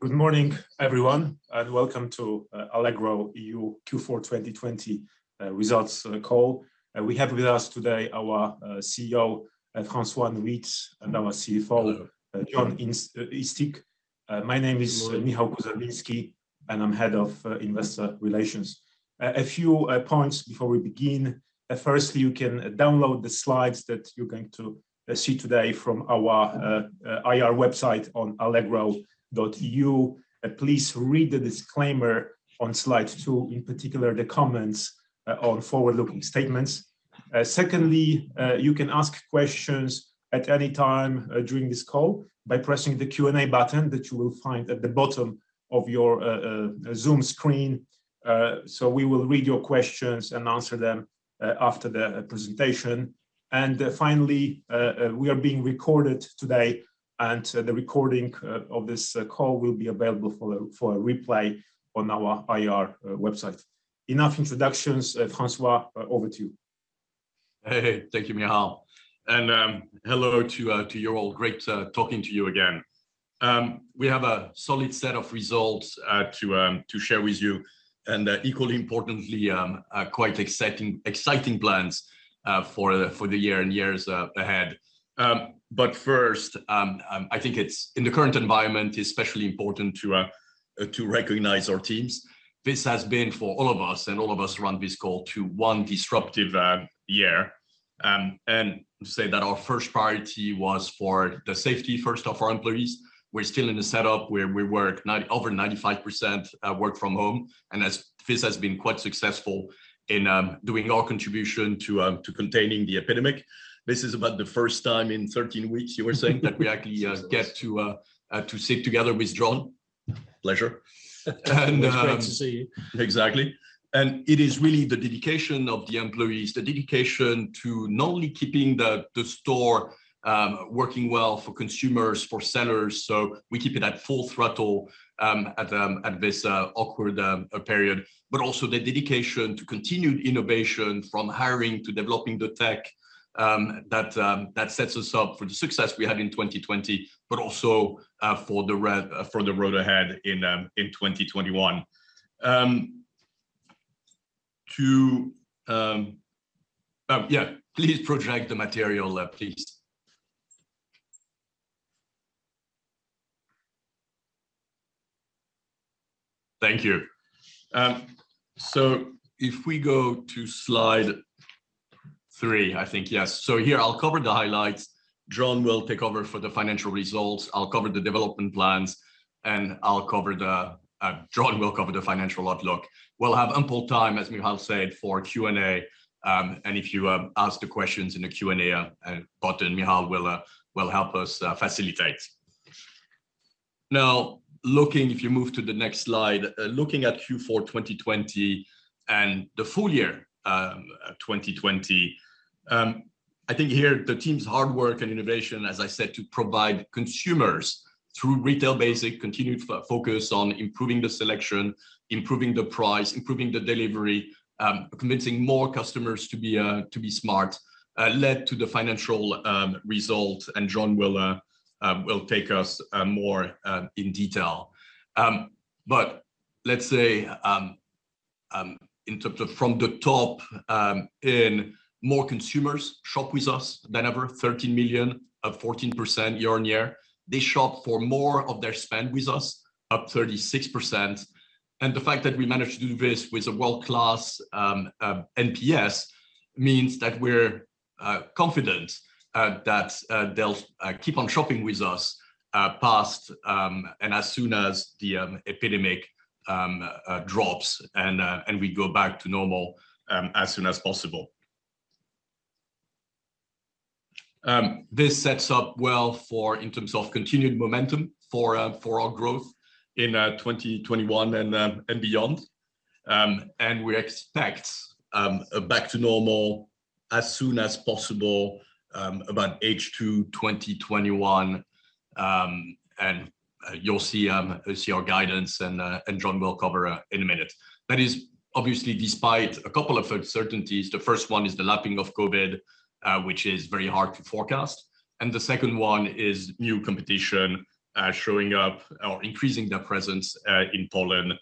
Good morning, everyone, and welcome to Allegro EU Q4 2020 results call. We have with us today our CEO, François Nuyts, and our CFO, Jon Eastick. My name is Michał Kuzawiński, and I'm head of investor relations. A few points before we begin. Firstly, you can download the slides that you're going to see today from our IR website on allegro.eu. Please read the disclaimer on slide two, in particular, the comments on forward-looking statements. Secondly, you can ask questions at any time during this call by pressing the Q&A button that you will find at the bottom of your Zoom screen. We will read your questions and answer them after the presentation. Finally, we are being recorded today, and the recording of this call will be available for replay on our IR website. Enough introductions. François, over to you. Hey. Thank you, Michał. Hello to you all. Great talking to you again. We have a solid set of results to share with you. Equally importantly, quite exciting plans for the year and years ahead. First, I think in the current environment, it's especially important to recognize our teams. This has been, for all of us. All of us who are on this call too, one disruptive year. To say that our first priority was for the safety, first off, our employees. We're still in a setup where over 95% work from home. This has been quite successful in doing our contribution to containing the epidemic. This is about the first time in 13 weeks, you were saying, that we actually get to sit together with Jon. Pleasure. It's great to see you. Exactly. It is really the dedication of the employees, the dedication to not only keeping the store working well for consumers, for sellers, so we keep it at full throttle at this awkward period, but also the dedication to continued innovation from hiring to developing the tech that sets us up for the success we had in 2020, but also for the road ahead in 2021. Yeah. Please project the material, please. Thank you. If we go to slide three, I think. Yes. Here, I'll cover the highlights. Jon will take over for the financial results. I'll cover the development plans, and Jon will cover the financial outlook. We'll have ample time, as Michał said, for Q&A, and if you ask the questions in the Q&A button, Michał will help us facilitate. If you move to the next slide, looking at Q4 2020 and the full year 2020, I think here the team's hard work and innovation, as I said, to provide consumers through retail basic, continued focus on improving the selection, improving the price, improving the delivery, convincing more customers to be Smart!, led to the financial result, and Jon will take us more in detail. Let's say, from the top, more consumers shop with us than ever, 13 million, up 14% year-on-year. They shop for more of their spend with us, up 36%. The fact that we managed to do this with a world-class NPS means that we're confident that they'll keep on shopping with us past, and as soon as the epidemic drops, and we go back to normal as soon as possible. This sets up well for in terms of continued momentum for our growth in 2021 and beyond. We expect back to normal as soon as possible, about H2 2021. You'll see our guidance, and Jon will cover in a minute. That is obviously despite a couple of uncertainties. The first one is the lapping of COVID, which is very hard to forecast, and the second one is new competition showing up or increasing their presence in Poland,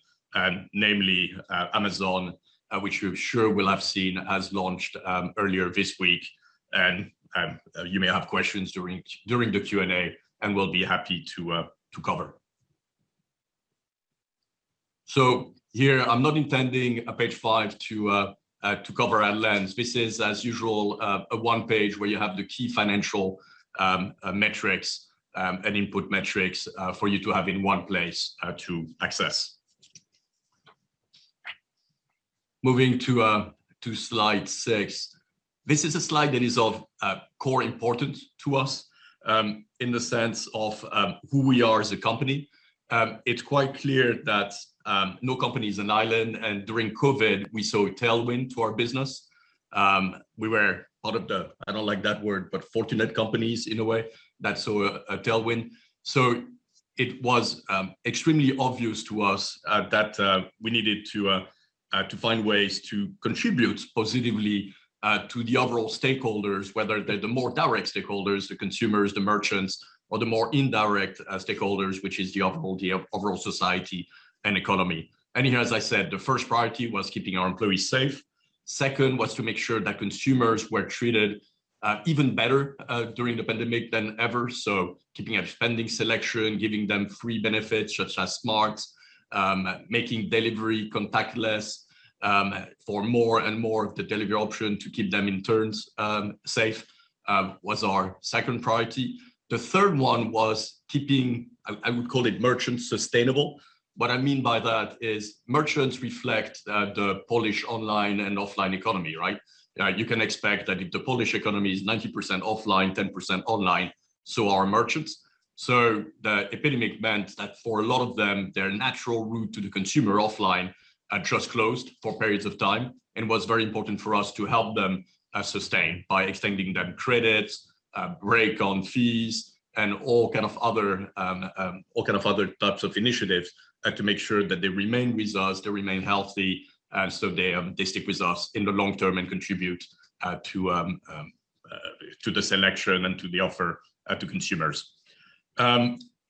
namely Amazon, which you've sure will have seen has launched earlier this week. You may have questions during the Q&A, and we'll be happy to cover. Here, I'm not intending page five to cover at length. This is, as usual, a one page where you have the key financial metrics and input metrics for you to have in one place to access. Moving to slide six. This is a slide that is of core importance to us in the sense of who we are as a company. It's quite clear that no company is an island. During COVID, we saw a tailwind to our business. We were part of the, I don't like that word, but fortunate companies in a way that saw a tailwind. It was extremely obvious to us that we needed to find ways to contribute positively to the overall stakeholders, whether they're the more direct stakeholders, the consumers, the merchants, or the more indirect stakeholders, which is the overall society and economy. Here, as I said, the first priority was keeping our employees safe. Second was to make sure that consumers were treated even better during the pandemic than ever. Keeping up spending selection, giving them free benefits such as Smart!, making delivery contactless, for more and more of the delivery option to keep them in turns safe, was our second priority. The third one was keeping, I would call it, merchants sustainable. What I mean by that is merchants reflect the Polish online and offline economy, right? You can expect that if the Polish economy is 90% offline, 10% online, so are merchants. The epidemic meant that for a lot of them, their natural route to the consumer offline just closed for periods of time. It was very important for us to help them sustain by extending them credits, a break on fees, and all kind of other types of initiatives to make sure that they remain with us, they remain healthy, and so they stick with us in the long term and contribute to the selection and to the offer to consumers.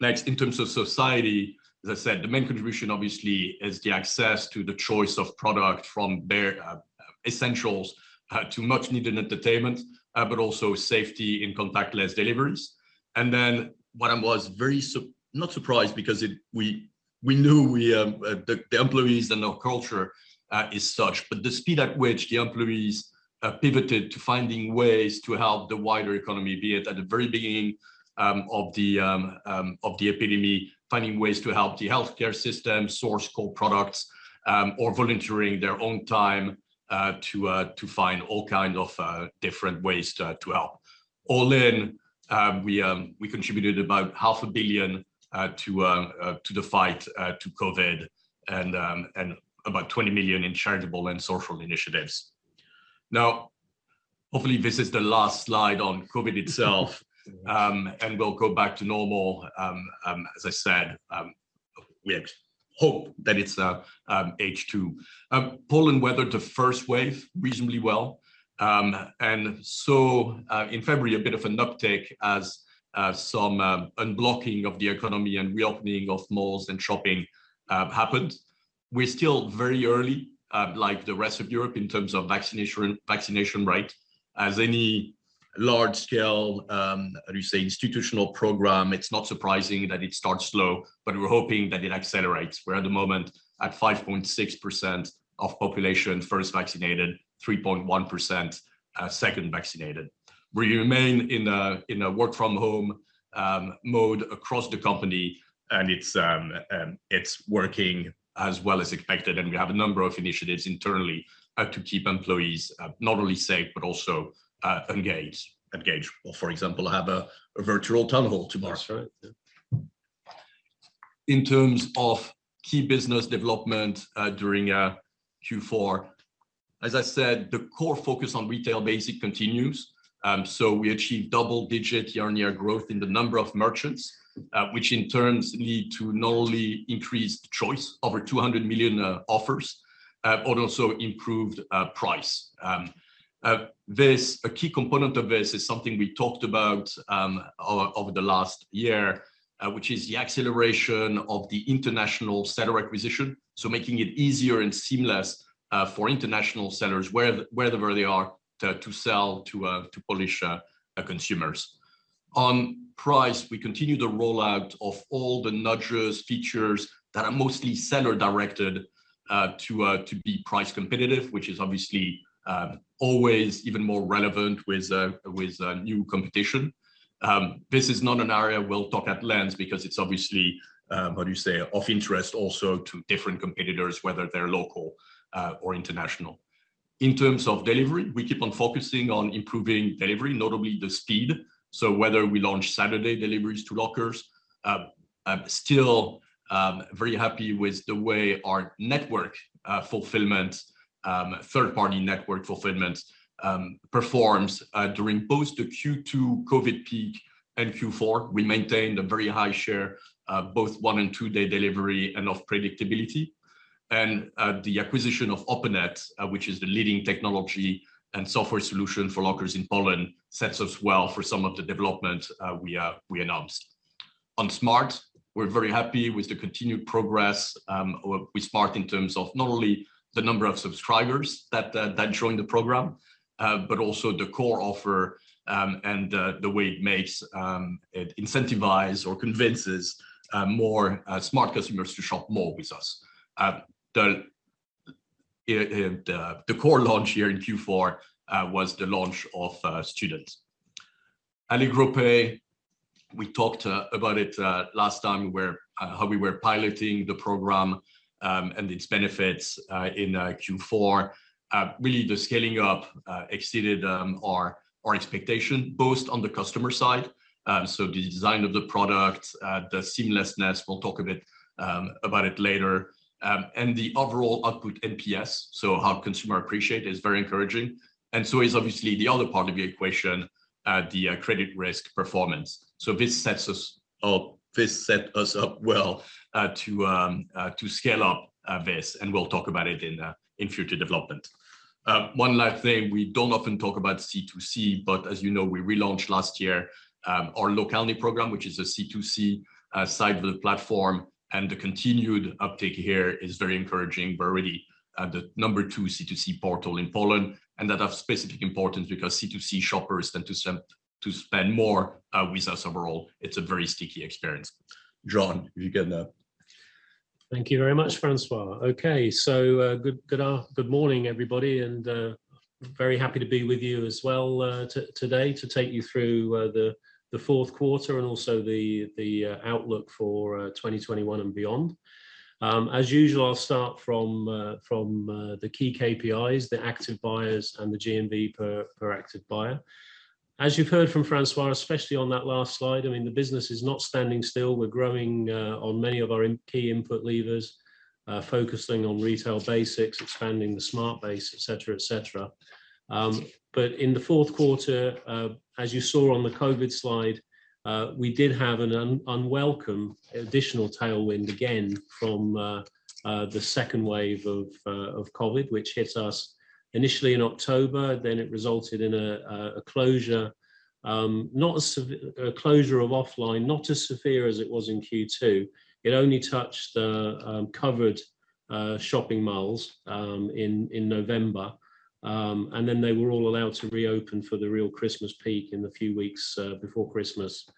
Next, in terms of society, as I said, the main contribution obviously is the access to the choice of product from their essentials to much needed entertainment, but also safety and contactless deliveries. What I was not surprised because we knew the employees and our culture is such, but the speed at which the employees pivoted to finding ways to help the wider economy, be it at the very beginning of the epidemic, finding ways to help the healthcare system, source core products, or volunteering their own time to find all kind of different ways to help. All in, we contributed about PLN half a billion to the fight to COVID and about 20 million in charitable and social initiatives. Hopefully, this is the last slide on COVID itself, and we'll go back to normal. As I said, we hope that it's H2. Poland weathered the first wave reasonably well. In February, a bit of an uptake as some unblocking of the economy and reopening of malls and shopping happened. We're still very early, like the rest of Europe, in terms of vaccination rate. As any large-scale, how do you say, institutional program, it's not surprising that it starts slow, but we're hoping that it accelerates. We're at the moment at 5.6% of population first vaccinated, 3.1% second vaccinated. We remain in a work from home mode across the company, and it's working as well as expected, and we have a number of initiatives internally to keep employees not only safe, but also engaged. For example, I have a virtual town hall tomorrow. That's right. Yeah. In terms of key business development during Q4, as I said, the core focus on retail basic continues. We achieved double-digit year-on-year growth in the number of merchants, which in turn led to not only increased choice, over 200 million offers, but also improved price. A key component of this is something we talked about over the last year, which is the acceleration of the international seller acquisition. Making it easier and seamless for international sellers, wherever they are, to sell to Polish consumers. On price, we continue the rollout of all the nudges, features that are mostly seller-directed, to be price-competitive, which is obviously always even more relevant with new competition. This is not an area we'll talk at length because it's obviously, how do you say, of interest also to different competitors, whether they're local or international. In terms of delivery, we keep on focusing on improving delivery, notably the speed. Whether we launch Saturday deliveries to lockers, still very happy with the way our network fulfillment, third-party network fulfillment performs. During post the Q2 COVID peak and Q4, we maintained a very high share, both one and two-day delivery and of predictability. The acquisition of OpenNet, which is the leading technology and software solution for lockers in Poland, sets us well for some of the development we announced. On Smart!, we're very happy with the continued progress with Smart! in terms of not only the number of subscribers that joined the program, but also the core offer, and the way it makes it incentivize or convinces more Smart! customers to shop more with us. The core launch here in Q4 was the launch of Students. Allegro Pay, we talked about it last time, how we were piloting the program, and its benefits, in Q4. Really, the scaling up exceeded our expectation, both on the customer side, so the design of the product, the seamlessness, we'll talk a bit about it later, and the overall output NPS, so how consumer appreciate is very encouraging, and so is obviously the other part of the equation, the credit risk performance. This sets us up well to scale up this, and we'll talk about it in future development. One last thing, we don't often talk about C2C, but as you know, we relaunched last year, our Allegro Lokalnie program, which is a C2C side of the platform, and the continued uptake here is very encouraging. We're already the number two C2C portal in Poland, and that has specific importance because C2C shoppers tend to spend more with us overall. It's a very sticky experience. Jon, you can now. Thank you very much, François. Good morning, everybody, and very happy to be with you as well today to take you through the fourth quarter and also the outlook for 2021 and beyond. As usual, I'll start from the key KPIs, the active buyers, and the GMV per active buyer. As you've heard from François, especially on that last slide, the business is not standing still. We're growing on many of our key input levers, focusing on retail basics, expanding the Smart! base, et cetera. In the fourth quarter, as you saw on the COVID slide, we did have an unwelcome additional tailwind again from the second wave of COVID, which hit us initially in October, then it resulted in a closure. A closure of offline, not as severe as it was in Q2. It only touched covered shopping malls in November. They were all allowed to reopen for the real Christmas peak in the few weeks before Christmas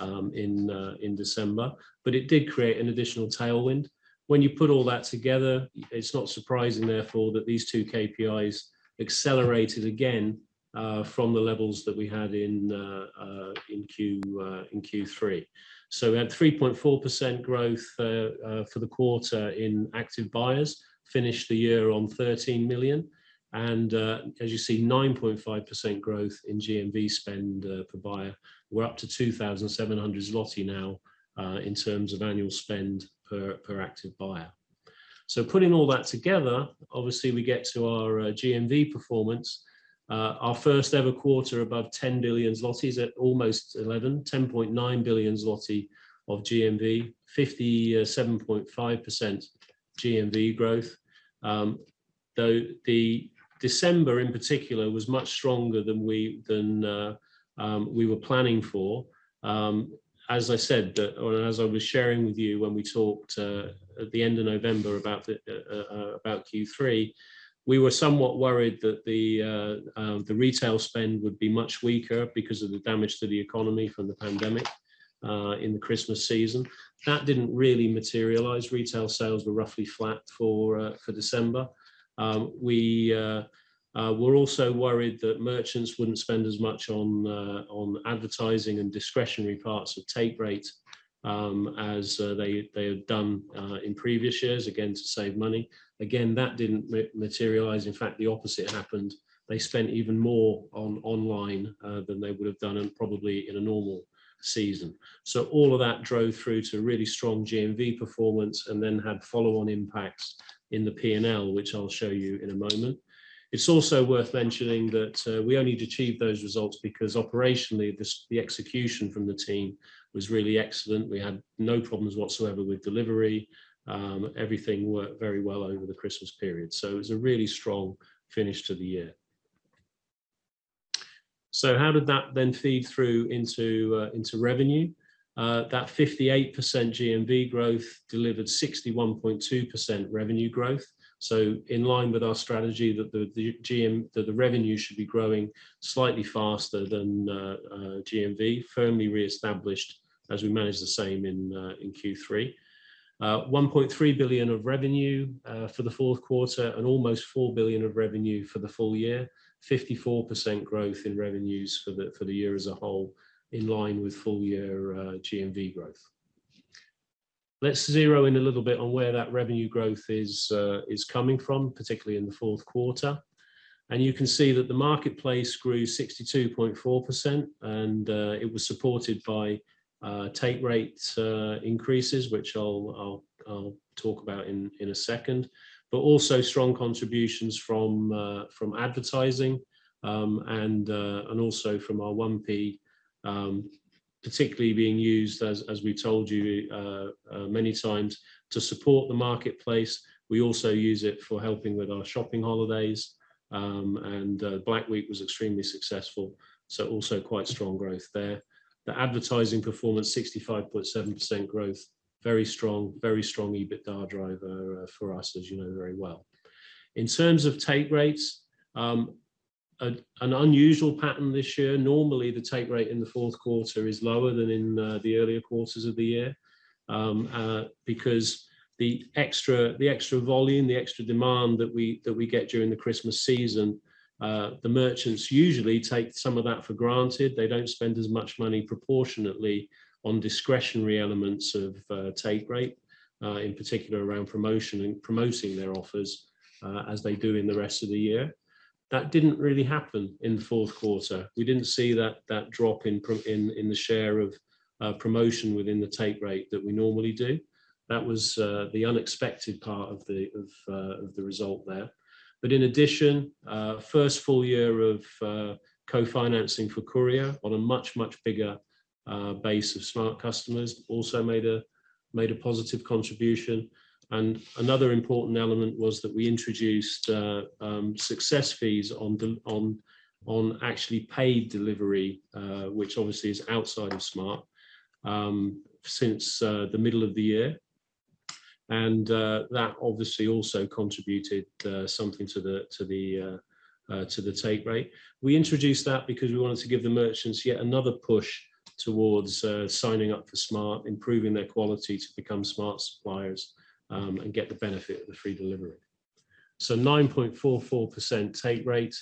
in December. It did create an additional tailwind. When you put all that together, it's not surprising, therefore, that these two KPIs accelerated again, from the levels that we had in Q3. We had 3.4% growth for the quarter in active buyers. Finished the year on 13 million. As you see, 9.5% growth in GMV spend per buyer. We're up to 2,700 zloty now, in terms of annual spend per active buyer. Putting all that together, obviously we get to our GMV performance. Our first ever quarter above 10 billion zlotys at almost 11 billion, 10.9 billion zloty of GMV, 57.5% GMV growth. The December in particular was much stronger than we were planning for. As I said, or as I was sharing with you when we talked at the end of November about Q3, we were somewhat worried that the retail spend would be much weaker because of the damage to the economy from the pandemic in the Christmas season. That didn't really materialize. Retail sales were roughly flat for December. We were also worried that merchants wouldn't spend as much on advertising and discretionary parts of take rate, as they had done in previous years, again, to save money. Again, that didn't materialize. In fact, the opposite happened. They spent even more online than they would've done in probably in a normal season. All of that drove through to really strong GMV performance and then had follow-on impacts in the P&L, which I'll show you in a moment. It's also worth mentioning that we only achieved those results because operationally, the execution from the team was really excellent. We had no problems whatsoever with delivery. Everything worked very well over the Christmas period. It was a really strong finish to the year. How did that then feed through into revenue? That 58% GMV growth delivered 61.2% revenue growth. In line with our strategy that the revenue should be growing slightly faster than GMV, firmly reestablished as we managed the same in Q3. 1.3 billion of revenue for the fourth quarter and almost 4 billion of revenue for the full year. 54% growth in revenues for the year as a whole, in line with full year GMV growth. Let's zero in a little bit on where that revenue growth is coming from, particularly in the fourth quarter. You can see that the marketplace grew 62.4%, and it was supported by take rate increases, which I'll talk about in a second. Also strong contributions from advertising, and also from our 1P, particularly being used, as we told you many times, to support the marketplace. We also use it for helping with our shopping holidays. Black Week was extremely successful, so also quite strong growth there. The advertising performance, 65.7% growth. Very strong EBITDA driver for us, as you know very well. In terms of take rates, an unusual pattern this year. Normally, the take rate in the fourth quarter is lower than in the earlier quarters of the year. The extra volume, the extra demand that we get during the Christmas season, the merchants usually take some of that for granted. They don't spend as much money proportionately on discretionary elements of take rate, in particular around promotion and promoting their offers, as they do in the rest of the year. That didn't really happen in the fourth quarter. We didn't see that drop in the share of promotion within the take rate that we normally do. That was the unexpected part of the result there. In addition, first full year of co-financing for courier on a much, much bigger base of Smart! customers also made a positive contribution. Another important element was that we introduced success fees on actually paid delivery, which obviously is outside of Smart!, since the middle of the year. That obviously also contributed something to the take rate. We introduced that because we wanted to give the merchants yet another push towards signing up for Smart!, improving their quality to become Smart! suppliers, and get the benefit of the free delivery. 9.44% take rate,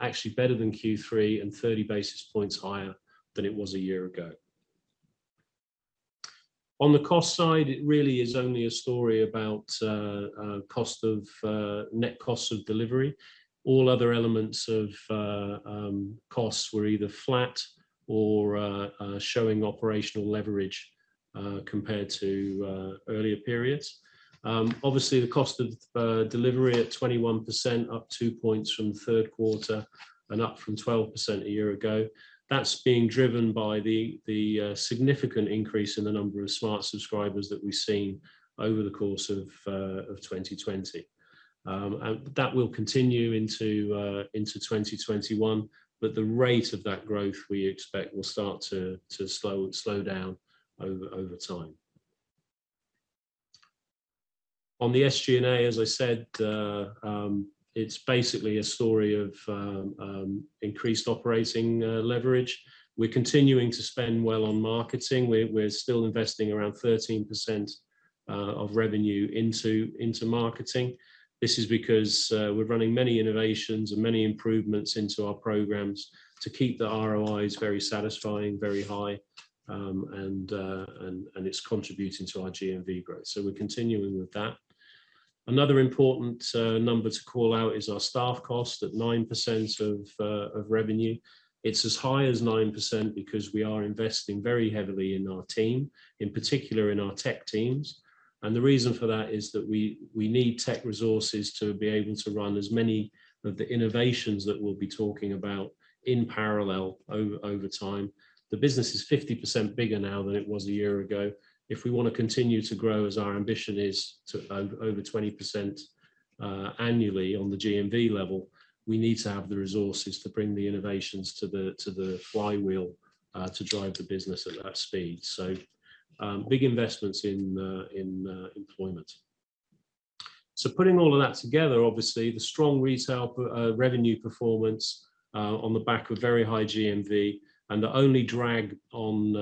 actually better than Q3, and 30 basis points higher than it was a year ago. On the cost side, it really is only a story about net costs of delivery. All other elements of costs were either flat or showing operational leverage compared to earlier periods. Obviously, the cost of delivery at 21%, up two points from third quarter and up from 12% a year ago. That's being driven by the significant increase in the number of Smart! subscribers that we've seen over the course of 2020. That will continue into 2021, but the rate of that growth, we expect, will start to slow down over time. On the SG&A, as I said, it's basically a story of increased operating leverage. We're continuing to spend well on marketing. We're still investing around 13% of revenue into marketing. This is because we're running many innovations and many improvements into our programs to keep the ROIs very satisfying, very high, and it's contributing to our GMV growth. We're continuing with that. Another important number to call out is our staff cost, at 9% of revenue. It's as high as 9% because we are investing very heavily in our team, in particular in our tech teams. The reason for that is that we need tech resources to be able to run as many of the innovations that we'll be talking about in parallel over time. The business is 50% bigger now than it was one year ago. If we want to continue to grow, as our ambition is, to over 20% annually on the GMV level, we need to have the resources to bring the innovations to the flywheel to drive the business at that speed. Big investments in employment. Putting all of that together, obviously, the strong retail revenue performance on the back of very high GMV and the only drag on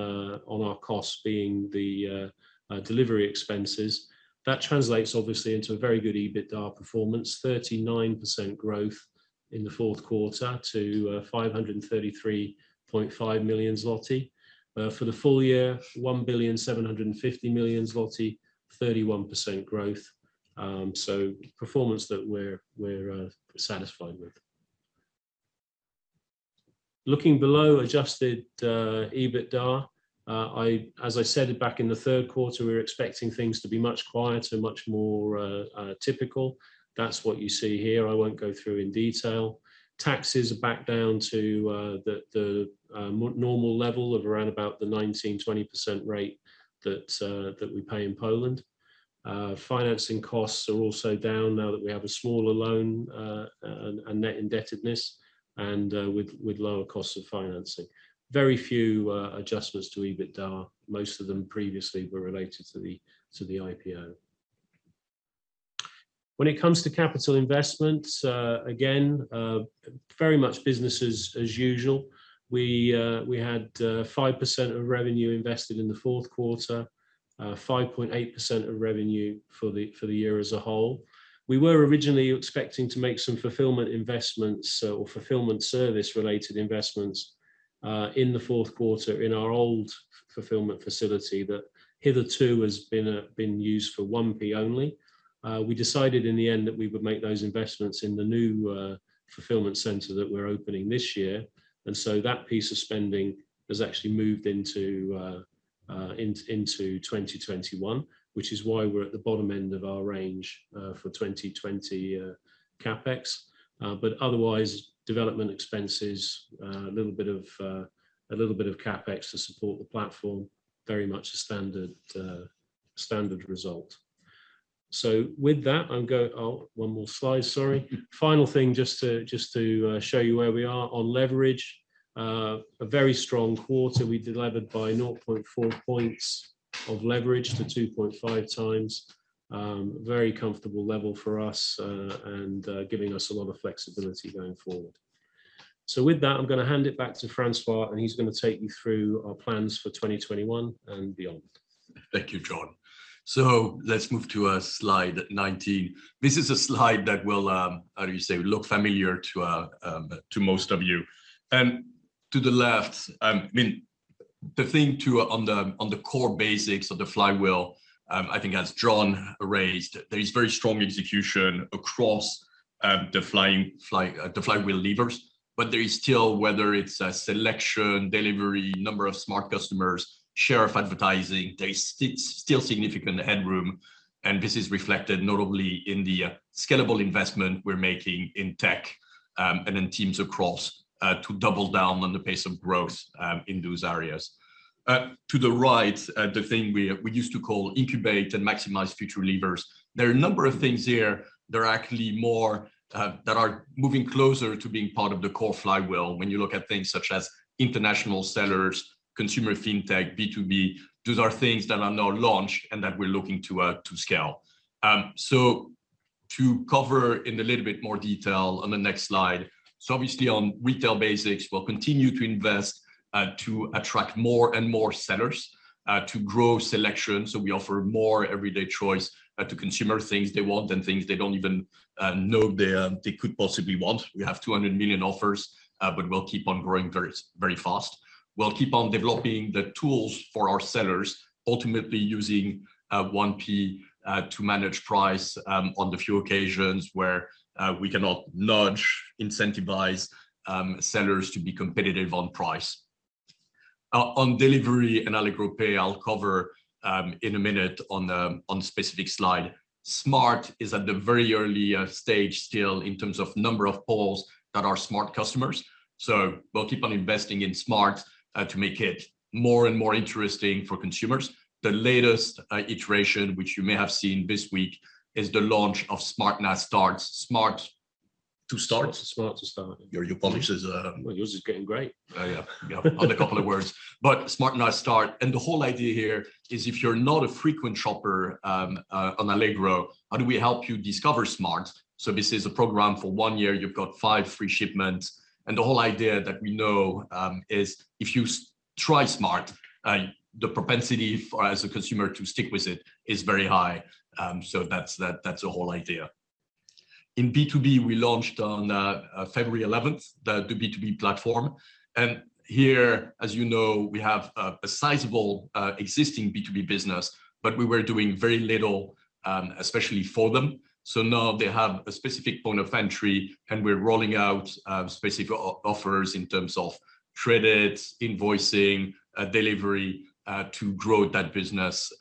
our costs being the delivery expenses, that translates obviously into a very good EBITDA performance, 39% growth in the fourth quarter to 533.5 million zloty. For the full year, 1.75 billion, 31% growth. Performance that we're satisfied with. Looking below adjusted EBITDA, as I said back in the third quarter, we were expecting things to be much quieter, much more typical. That's what you see here. I won't go through in detail. Taxes are back down to the normal level of around about the 19%, 20% rate that we pay in Poland. Financing costs are also down now that we have a smaller loan, a net indebtedness, and with lower costs of financing. Very few adjustments to EBITDA. Most of them previously were related to the IPO. When it comes to capital investments, again, very much business as usual. We had 5% of revenue invested in the fourth quarter, 5.8% of revenue for the year as a whole. We were originally expecting to make some fulfillment investments or fulfillment service-related investments in the fourth quarter in our old fulfillment facility that hitherto has been used for 1P only. We decided in the end that we would make those investments in the new fulfillment center that we're opening this year. That piece of spending has actually moved into 2021, which is why we're at the bottom end of our range for 2020 CapEx. Otherwise, development expenses, a little bit of CapEx to support the platform, very much a standard result. With that, Oh, one more slide, sorry. Final thing just to show you where we are on leverage. A very strong quarter. We delevered by 0.4 points of leverage to 2.5x. Very comfortable level for us, and giving us a lot of flexibility going forward. With that, I'm going to hand it back to François, and he's going to take you through our plans for 2021 and beyond. Thank you, Jon. Let's move to slide 19. This is a slide that will, how do you say, look familiar to most of you. To the left, the thing, too, on the core basics of the flywheel, I think as Jon raised, there is very strong execution across the flywheel levers. There is still, whether it's selection, delivery, number of Smart! customers, share of advertising, there is still significant headroom, and this is reflected notably in the scalable investment we're making in tech, and in teams across to double down on the pace of growth in those areas. To the right, the thing we used to call incubate and maximize future levers. There are a number of things here that are actually more, that are moving closer to being part of the core flywheel when you look at things such as international sellers, consumer fintech, B2B. Those are things that are now launched and that we're looking to scale. To cover in a little bit more detail on the next slide. Obviously on retail basics, we'll continue to invest to attract more and more sellers, to grow selection, so we offer more everyday choice to consumers, things they want and things they don't even know they could possibly want. We have 200 million offers, but we'll keep on growing very fast. We'll keep on developing the tools for our sellers, ultimately using 1P to manage price on the few occasions where we cannot nudge, incentivize sellers to be competitive on price. On delivery and Allegro Pay, I'll cover in a minute on a specific slide. Smart! is at the very early stage still in terms of number of Poles that are Smart! customers. We'll keep on investing in Smart! to make it more and more interesting for consumers. The latest iteration, which you may have seen this week, is the launch of Smart! na Start. Smart! na Start? Smart! na Start. Your Polish is- Well, yours is getting great. Yeah. On a couple of words. Smart! na Start, and the whole idea here is if you're not a frequent shopper on Allegro, how do we help you discover Smart!? This is a program for one year. You've got five free shipments. The whole idea that we know, is if you try Smart!, the propensity for, as a consumer, to stick with it is very high. That's the whole idea. In B2B, we launched on February 11th, the B2B platform. Here, as you know, we have a sizable existing B2B business, but we were doing very little, especially for them. Now they have a specific point of entry, and we're rolling out specific offers in terms of credits, invoicing, delivery, to grow that business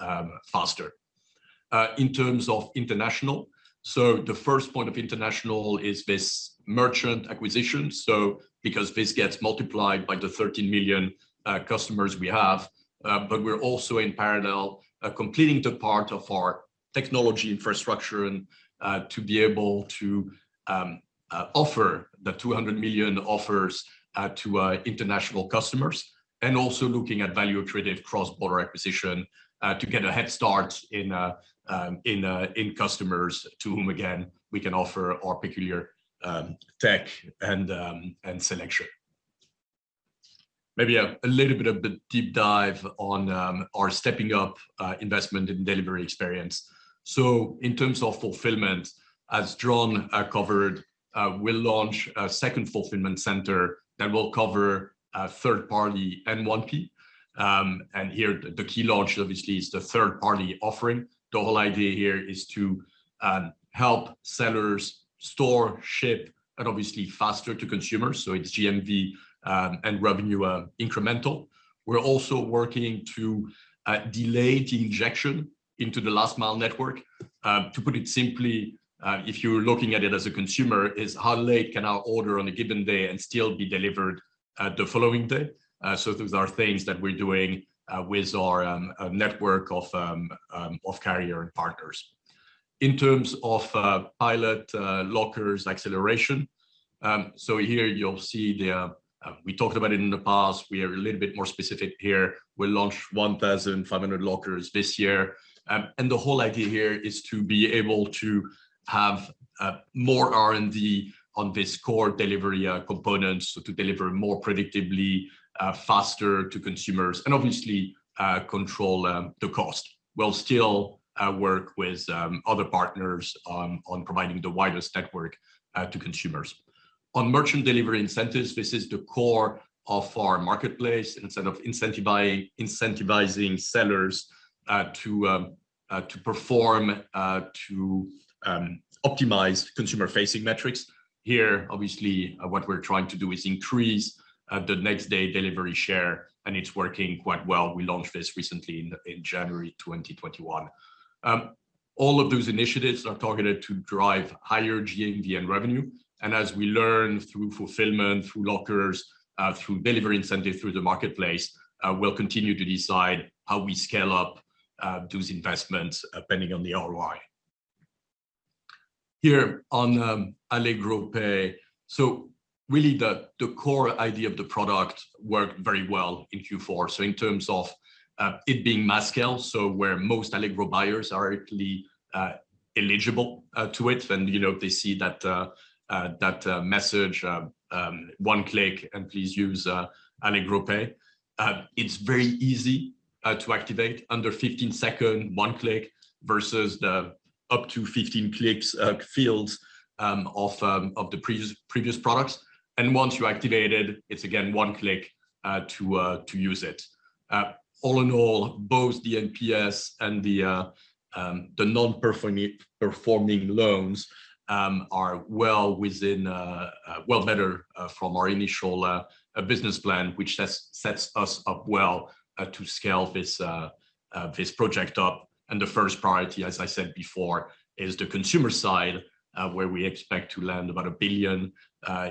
faster. In terms of international, so the first point of international is this merchant acquisition, because this gets multiplied by the 13 million customers we have. But we're also, in parallel, completing the part of our technology infrastructure to be able to offer the 200 million offers to international customers, and also looking at value accretive cross-border acquisition to get a head start in customers to whom, again, we can offer our peculiar tech and selection. Maybe a little bit of a deep dive on our stepping up investment in delivery experience. So in terms of fulfillment, as Jon covered, we'll launch a second fulfillment center that will cover third party and 1P. And here, the key launch, obviously, is the third-party offering. The whole idea here is to help sellers store, ship, and obviously faster to consumers. So it's GMV and revenue incremental. We're also working to delay the injection into the last mile network. To put it simply, if you're looking at it as a consumer, is how late can I order on a given day and still be delivered the following day? Those are things that we're doing with our network of carrier and partners. In terms of pilot lockers acceleration. Here you'll see, we talked about it in the past. We are a little bit more specific here. We'll launch 1,500 lockers this year. The whole idea here is to be able to have more R&D on this core delivery components to deliver more predictably, faster to consumers, and obviously, control the cost. We'll still work with other partners on providing the widest network to consumers. On merchant delivery incentives, this is the core of our marketplace. Instead of incentivizing sellers to perform to optimize consumer-facing metrics, here, obviously, what we're trying to do is increase the next day delivery share, and it's working quite well. We launched this recently in January 2021. All of those initiatives are targeted to drive higher GMV and revenue. As we learn through fulfillment, through lockers, through delivery incentive, through the marketplace, we'll continue to decide how we scale up those investments depending on the ROI. Here on Allegro Pay. Really the core idea of the product worked very well in Q4. In terms of it being mass scale, so where most Allegro buyers are actually eligible to it, and they see that message, "One click, and please use Allegro Pay." It's very easy to activate. Under 15 second, one click, versus the up to 15 clicks fields of the previous products. Once you activate it's again one click to use it. All in all, both the NPS and the non-performing loans are well better from our initial business plan, which sets us up well to scale this project up. The first priority, as I said before, is the consumer side, where we expect to land about 1 billion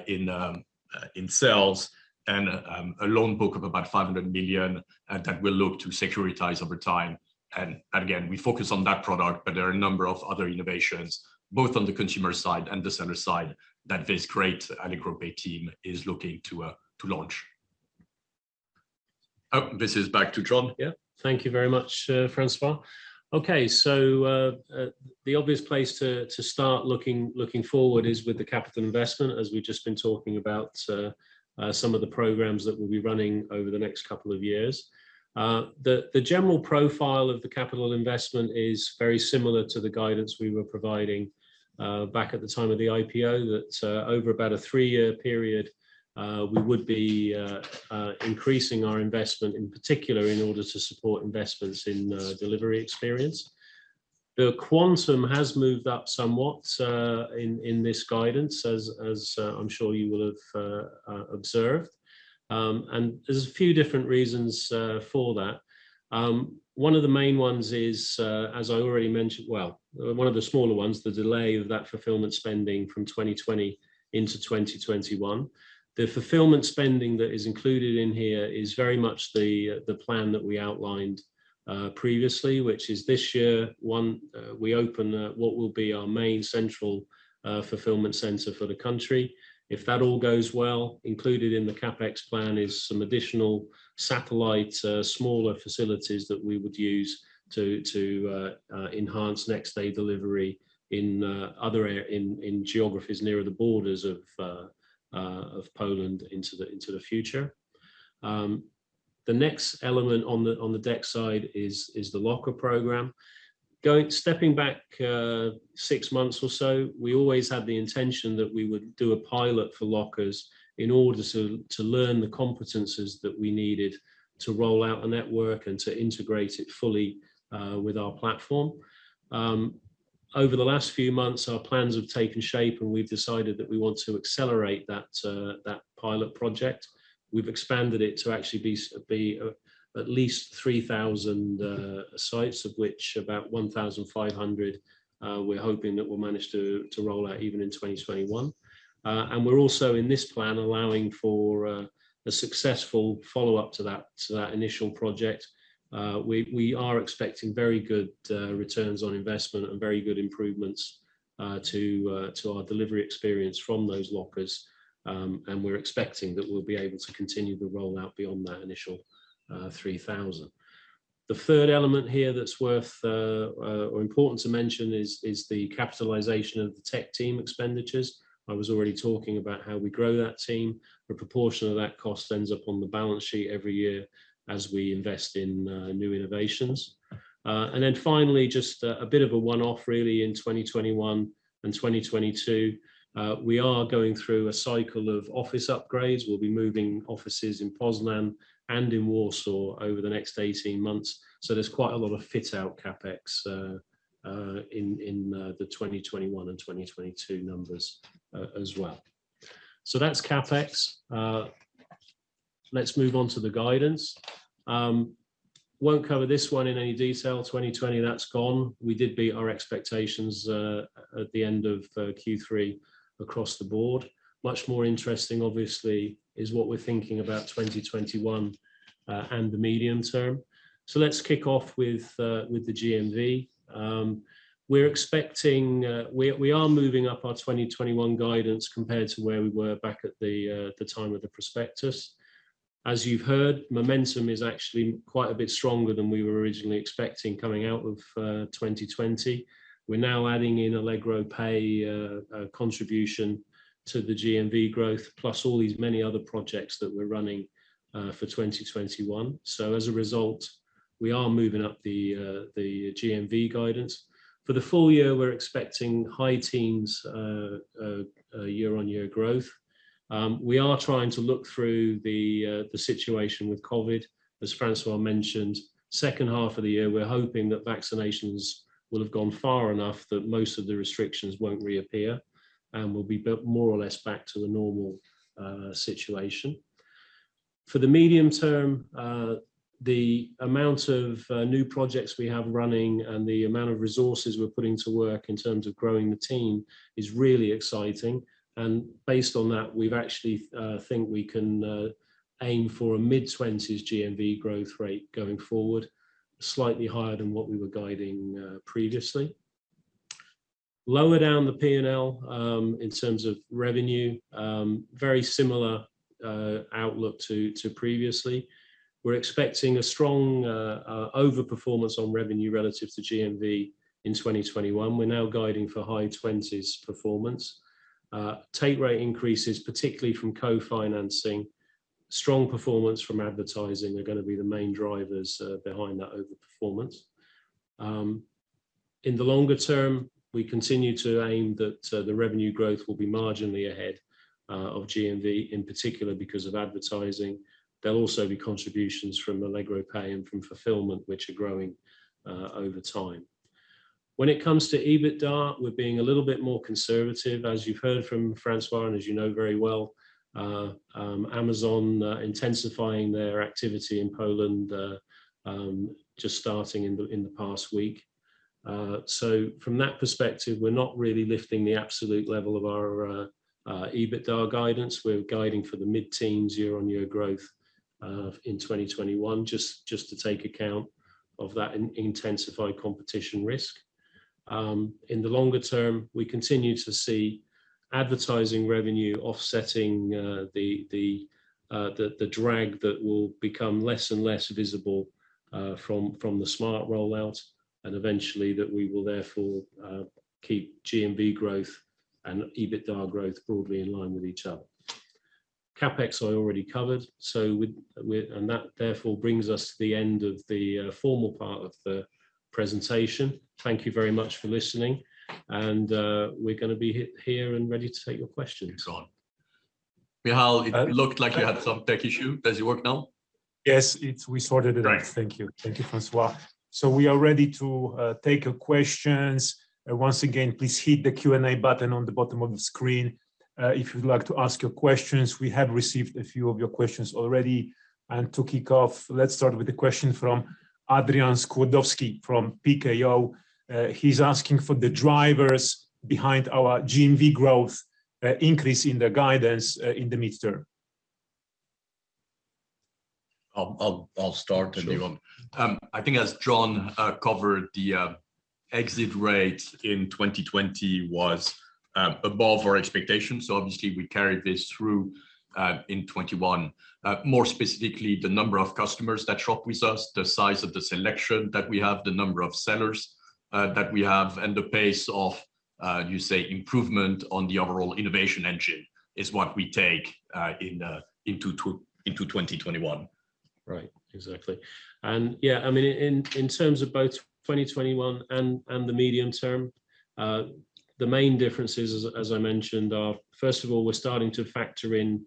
in sales and a loan book of about 500 million that we'll look to securitize over time. Again, we focus on that product, but there are a number of other innovations, both on the consumer side and the seller side, that this great Allegro Pay team is looking to launch. Oh, this is back to Jon. Yeah. Thank you very much, François. Okay, the obvious place to start looking forward is with the capital investment, as we've just been talking about some of the programs that we'll be running over the next couple of years. The general profile of the capital investment is very similar to the guidance we were providing back at the time of the IPO that over about a three-year period, we would be increasing our investment, in particular, in order to support investments in delivery experience. The quantum has moved up somewhat in this guidance, as I'm sure you will have observed. There's a few different reasons for that. One of the main ones is, as I already mentioned. Well, one of the smaller ones, the delay of that fulfillment spending from 2020 into 2021. The fulfillment spending that is included in here is very much the plan that we outlined previously, which is this year, one, we open what will be our main central fulfillment center for the country. If that all goes well, included in the CapEx plan is some additional satellite, smaller facilities that we would use to enhance next-day delivery in geographies nearer the borders of Poland into the future. The next element on the deck side is the locker program. Stepping back six months or so, we always had the intention that we would do a pilot for lockers in order to learn the competencies that we needed to roll out a network and to integrate it fully with our platform. Over the last few months, our plans have taken shape, and we've decided that we want to accelerate that pilot project. We've expanded it to actually be at least 3,000 sites, of which about 1,500 we're hoping that we'll manage to roll out even in 2021. We're also in this plan allowing for a successful follow-up to that initial project. We are expecting very good returns on investment and very good improvements to our delivery experience from those lockers, and we're expecting that we'll be able to continue the rollout beyond that initial 3,000. The third element here that's worth or important to mention is the capitalization of the tech team expenditures. I was already talking about how we grow that team. A proportion of that cost ends up on the balance sheet every year as we invest in new innovations. Then finally, just a bit of a one-off, really, in 2021 and 2022. We are going through a cycle of office upgrades. We'll be moving offices in Poznań and in Warsaw over the next 18 months, so there's quite a lot of fit-out CapEx in the 2021 and 2022 numbers as well. That's CapEx. Let's move on to the guidance. Won't cover this one in any detail. 2020, that's gone. We did beat our expectations at the end of Q3 across the board. Much more interesting, obviously, is what we're thinking about 2021 and the medium term. Let's kick off with the GMV. We are moving up our 2021 guidance compared to where we were back at the time of the prospectus. As you've heard, momentum is actually quite a bit stronger than we were originally expecting coming out of 2020. We're now adding in Allegro Pay contribution to the GMV growth, plus all these many other projects that we're running for 2021. As a result, we are moving up the GMV guidance. For the full year, we're expecting high teens year-on-year growth. We are trying to look through the situation with COVID. As François mentioned, second half of the year, we're hoping that vaccinations will have gone far enough that most of the restrictions won't reappear, and we'll be more or less back to the normal situation. For the medium term, the amount of new projects we have running and the amount of resources we're putting to work in terms of growing the team is really exciting. Based on that, we actually think we can aim for a mid-20s GMV growth rate going forward, slightly higher than what we were guiding previously. Lower down the P&L, in terms of revenue, very similar outlook to previously. We're expecting a strong overperformance on revenue relative to GMV in 2021. We're now guiding for high 20s performance. Take rate increases, particularly from co-financing, strong performance from advertising are going to be the main drivers behind that overperformance. In the longer term, we continue to aim that the revenue growth will be marginally ahead of GMV, in particular because of advertising. There'll also be contributions from Allegro Pay and from fulfillment, which are growing over time. When it comes to EBITDA, we're being a little bit more conservative. As you've heard from François, and as you know very well, Amazon intensifying their activity in Poland just starting in the past week. From that perspective, we're not really lifting the absolute level of our EBITDA guidance. We're guiding for the mid-teens year-on-year growth in 2021, just to take account of that intensified competition risk. In the longer term, we continue to see advertising revenue offsetting the drag that will become less and less visible from the Smart! rollout, and eventually that we will therefore keep GMV growth and EBITDA growth broadly in line with each other. CapEx I already covered, and that therefore brings us to the end of the formal part of the presentation. Thank you very much for listening, and we're going to be here and ready to take your questions. Excellent. Michał, it looked like you had some tech issue. Does it work now? Yes, we sorted it. Right. Thank you. Thank you, François. We are ready to take your questions. Once again, please hit the Q&A button on the bottom of the screen if you'd like to ask your questions. We have received a few of your questions already. To kick off, let's start with a question from Adrian Skłodowski from PKO. He's asking for the drivers behind our GMV growth increase in the guidance in the mid-term. I'll start and move on. Sure. I think as Jon covered, the exit rate in 2020 was above our expectations, so obviously we carried this through in 2021. More specifically, the number of customers that shop with us, the size of the selection that we have, the number of sellers that we have, and the pace of, you say, improvement on the overall innovation engine is what we take into 2021. Right. Exactly. Yeah, in terms of both 2021 and the medium term, the main differences as I mentioned, are first of all, we're starting to factor in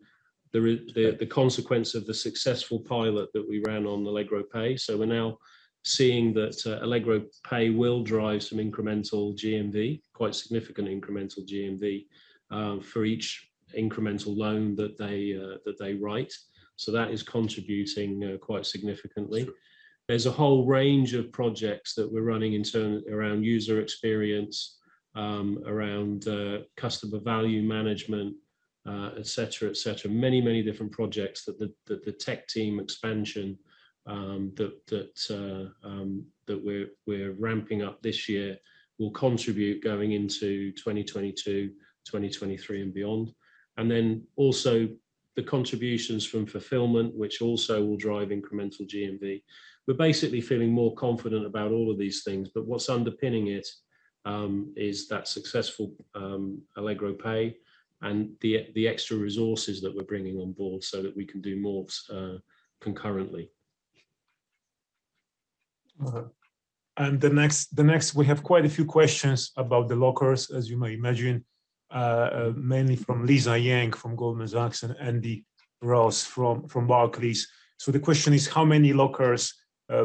the consequence of the successful pilot that we ran on Allegro Pay. We're now seeing that Allegro Pay will drive some incremental GMV, quite significant incremental GMV, for each incremental loan that they write. That is contributing quite significantly. There's a whole range of projects that we're running around user experience, around customer value management, et cetera. Many different projects that the tech team expansion that we're ramping up this year will contribute going into 2022, 2023, and beyond. Then also the contributions from fulfillment, which also will drive incremental GMV. We're basically feeling more confident about all of these things, but what's underpinning it is that successful Allegro Pay and the extra resources that we're bringing on board so that we can do more concurrently. The next, we have quite a few questions about the lockers, as you may imagine. Mainly from Lisa Yang from Goldman Sachs and Andy Ross from Barclays. The question is how many lockers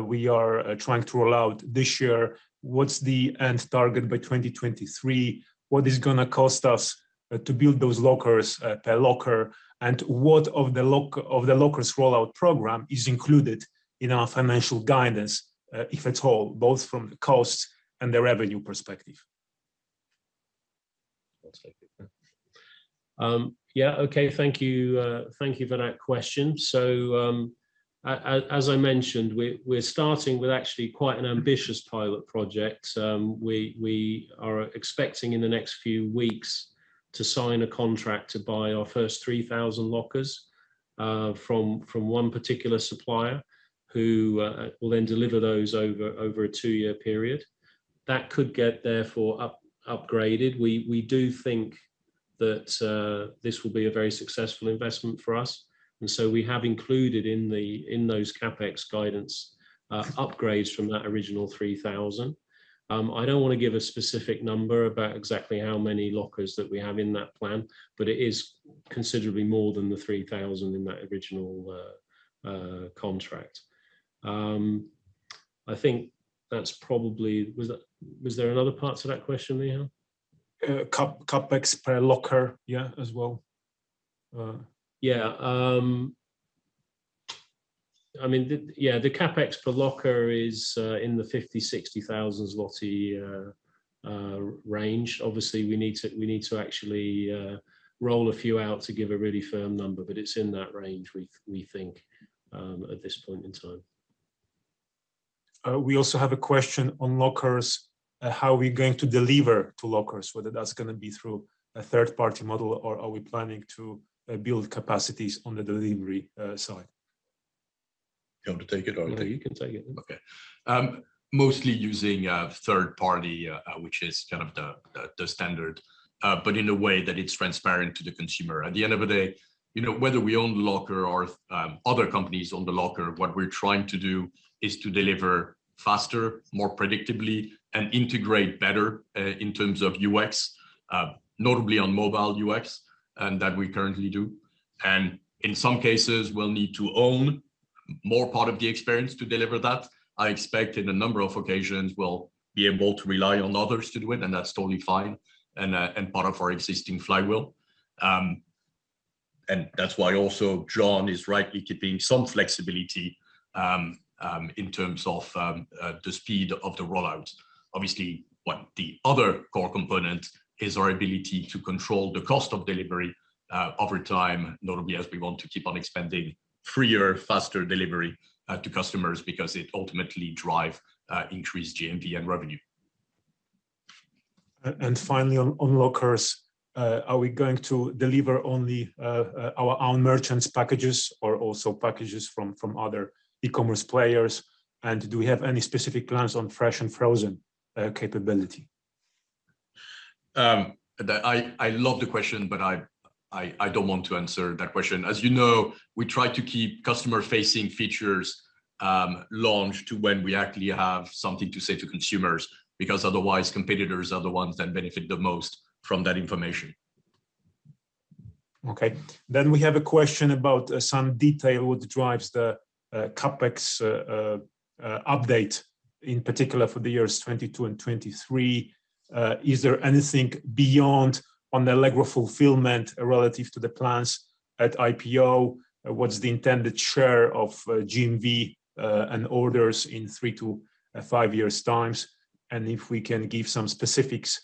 we are trying to roll out this year. What's the end target by 2023? What is going to cost us to build those lockers, per locker? What of the lockers rollout program is included in our financial guidance, if at all, both from the cost and the revenue perspective? I'll take it. Yeah. Okay. Thank you for that question. As I mentioned, we're starting with actually quite an ambitious pilot project. We are expecting in the next few weeks to sign a contract to buy our first 3,000 lockers from one particular supplier who will then deliver those over a two-year period. That could get therefore upgraded. We do think that this will be a very successful investment for us, we have included in those CapEx guidance upgrades from that original 3,000. I don't want to give a specific number about exactly how many lockers that we have in that plan, it is considerably more than the 3,000 in that original contract. Was there another part to that question, Michał? CapEx per locker, yeah, as well. Yeah. The CapEx per locker is in the 50,000-60,000 zloty range. Obviously, we need to actually roll a few out to give a really firm number, but it's in that range, we think, at this point in time. We also have a question on lockers. How are we going to deliver to lockers, whether that's going to be through a third-party model, or are we planning to build capacities on the delivery side? Do you want me to take it, or are you? You can take it. Okay. Mostly using a third party, which is kind of the standard, but in a way that it's transparent to the consumer. At the end of the day, whether we own the locker or other companies own the locker, what we're trying to do is to deliver faster, more predictably, and integrate better in terms of UX, notably on mobile UX than we currently do. In some cases, we'll need to own more part of the experience to deliver that. I expect in a number of occasions, we'll be able to rely on others to do it, and that's totally fine and part of our existing flywheel. That's why also Jon is rightly keeping some flexibility in terms of the speed of the rollout. Obviously, the other core component is our ability to control the cost of delivery over time, notably as we want to keep on expanding freer, faster delivery to customers because it ultimately drives increased GMV and revenue. Finally, on lockers, are we going to deliver only our own merchants' packages or also packages from other e-commerce players? Do we have any specific plans on fresh and frozen capability? I love the question. I don't want to answer that question. As you know, we try to keep customer-facing features launch to when we actually have something to say to consumers, because otherwise competitors are the ones that benefit the most from that information. Okay. We have a question about some detail that drives the CapEx update, in particular for the years 2022 and 2023. Is there anything beyond on the Allegro fulfillment relative to the plans at IPO? What's the intended share of GMV and orders in three to five years' times? If we can give some specifics,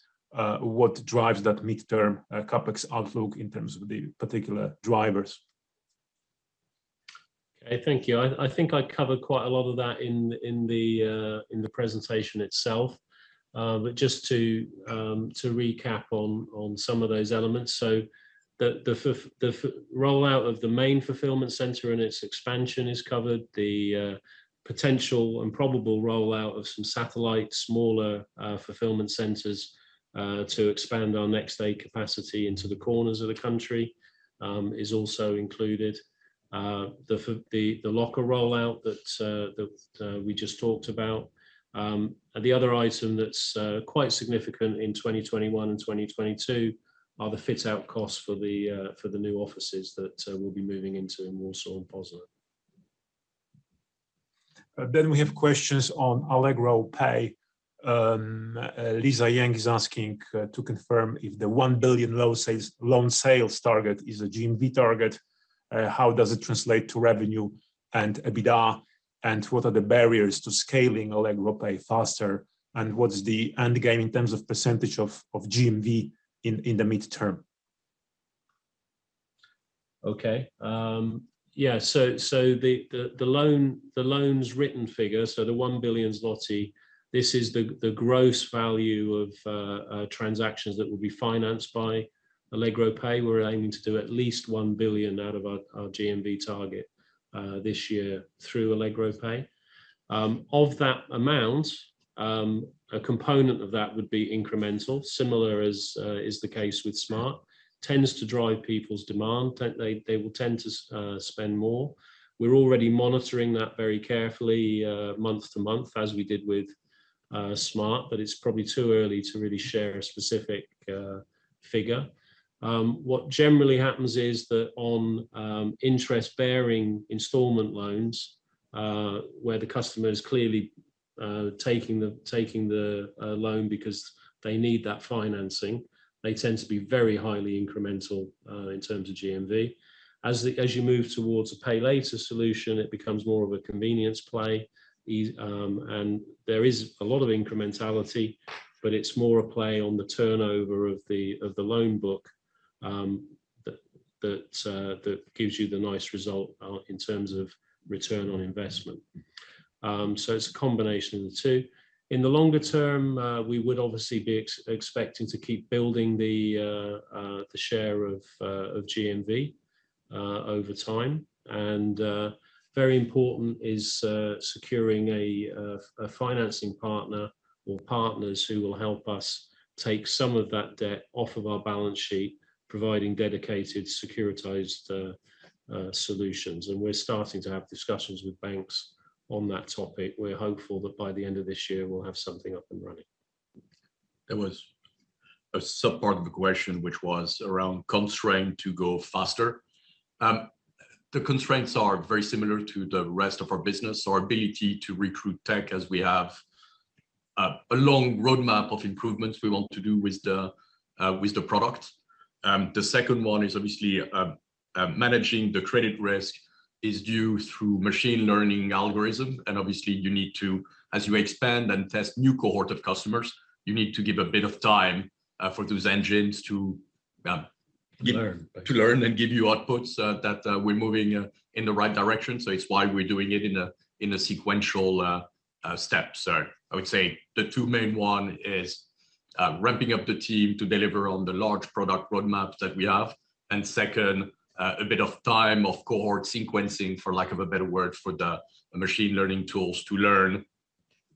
what drives that midterm CapEx outlook in terms of the particular drivers? Okay, thank you. I think I covered quite a lot of that in the presentation itself. Just to recap on some of those elements. The rollout of the main fulfillment center and its expansion is covered. The potential and probable rollout of some satellite, smaller fulfillment centers to expand our next day capacity into the corners of the country is also included. The locker rollout that we just talked about. The other item that's quite significant in 2021 and 2022 are the fit-out costs for the new offices that we'll be moving into in Warsaw and Poznań. We have questions on Allegro Pay. Lisa Yang is asking to confirm if the 1 billion loan sales target is a GMV target. How does it translate to revenue and EBITDA? What are the barriers to scaling Allegro Pay faster? What is the end game in terms of percentage of GMV in the midterm? Okay. Yeah, the loans written figure, the 1 billion zloty, this is the gross value of transactions that will be financed by Allegro Pay. We're aiming to do at least 1 billion out of our GMV target this year through Allegro Pay. Of that amount, a component of that would be incremental, similar as is the case with Smart!. Tends to drive people's demand. They will tend to spend more. We're already monitoring that very carefully month to month, as we did with Smart!, it's probably too early to really share a specific figure. What generally happens is that on interest-bearing installment loans, where the customer is clearly taking the loan because they need that financing, they tend to be very highly incremental in terms of GMV. As you move towards a pay later solution, it becomes more of a convenience play. There is a lot of incrementality, but it's more a play on the turnover of the loan book that gives you the nice result in terms of return on investment. It's a combination of the two. In the longer term, we would obviously be expecting to keep building the share of GMV over time. Very important is securing a financing partner or partners who will help us take some of that debt off of our balance sheet, providing dedicated securitized solutions. We're starting to have discussions with banks on that topic. We're hopeful that by the end of this year, we'll have something up and running. There was a sub-part of the question, which was around constraint to go faster. The constraints are very similar to the rest of our business, our ability to recruit tech as we have a long roadmap of improvements we want to do with the product. The second one is obviously managing the credit risk is due through machine learning algorithm. Obviously you need to, as you expand and test new cohort of customers, you need to give a bit of time for those engines to. Learn. To learn and give you outputs that we're moving in the right direction. It's why we're doing it in a sequential steps. I would say the two main one is ramping up the team to deliver on the large product roadmap that we have, and second, a bit of time, of cohort sequencing, for lack of a better word, for the machine learning tools to learn,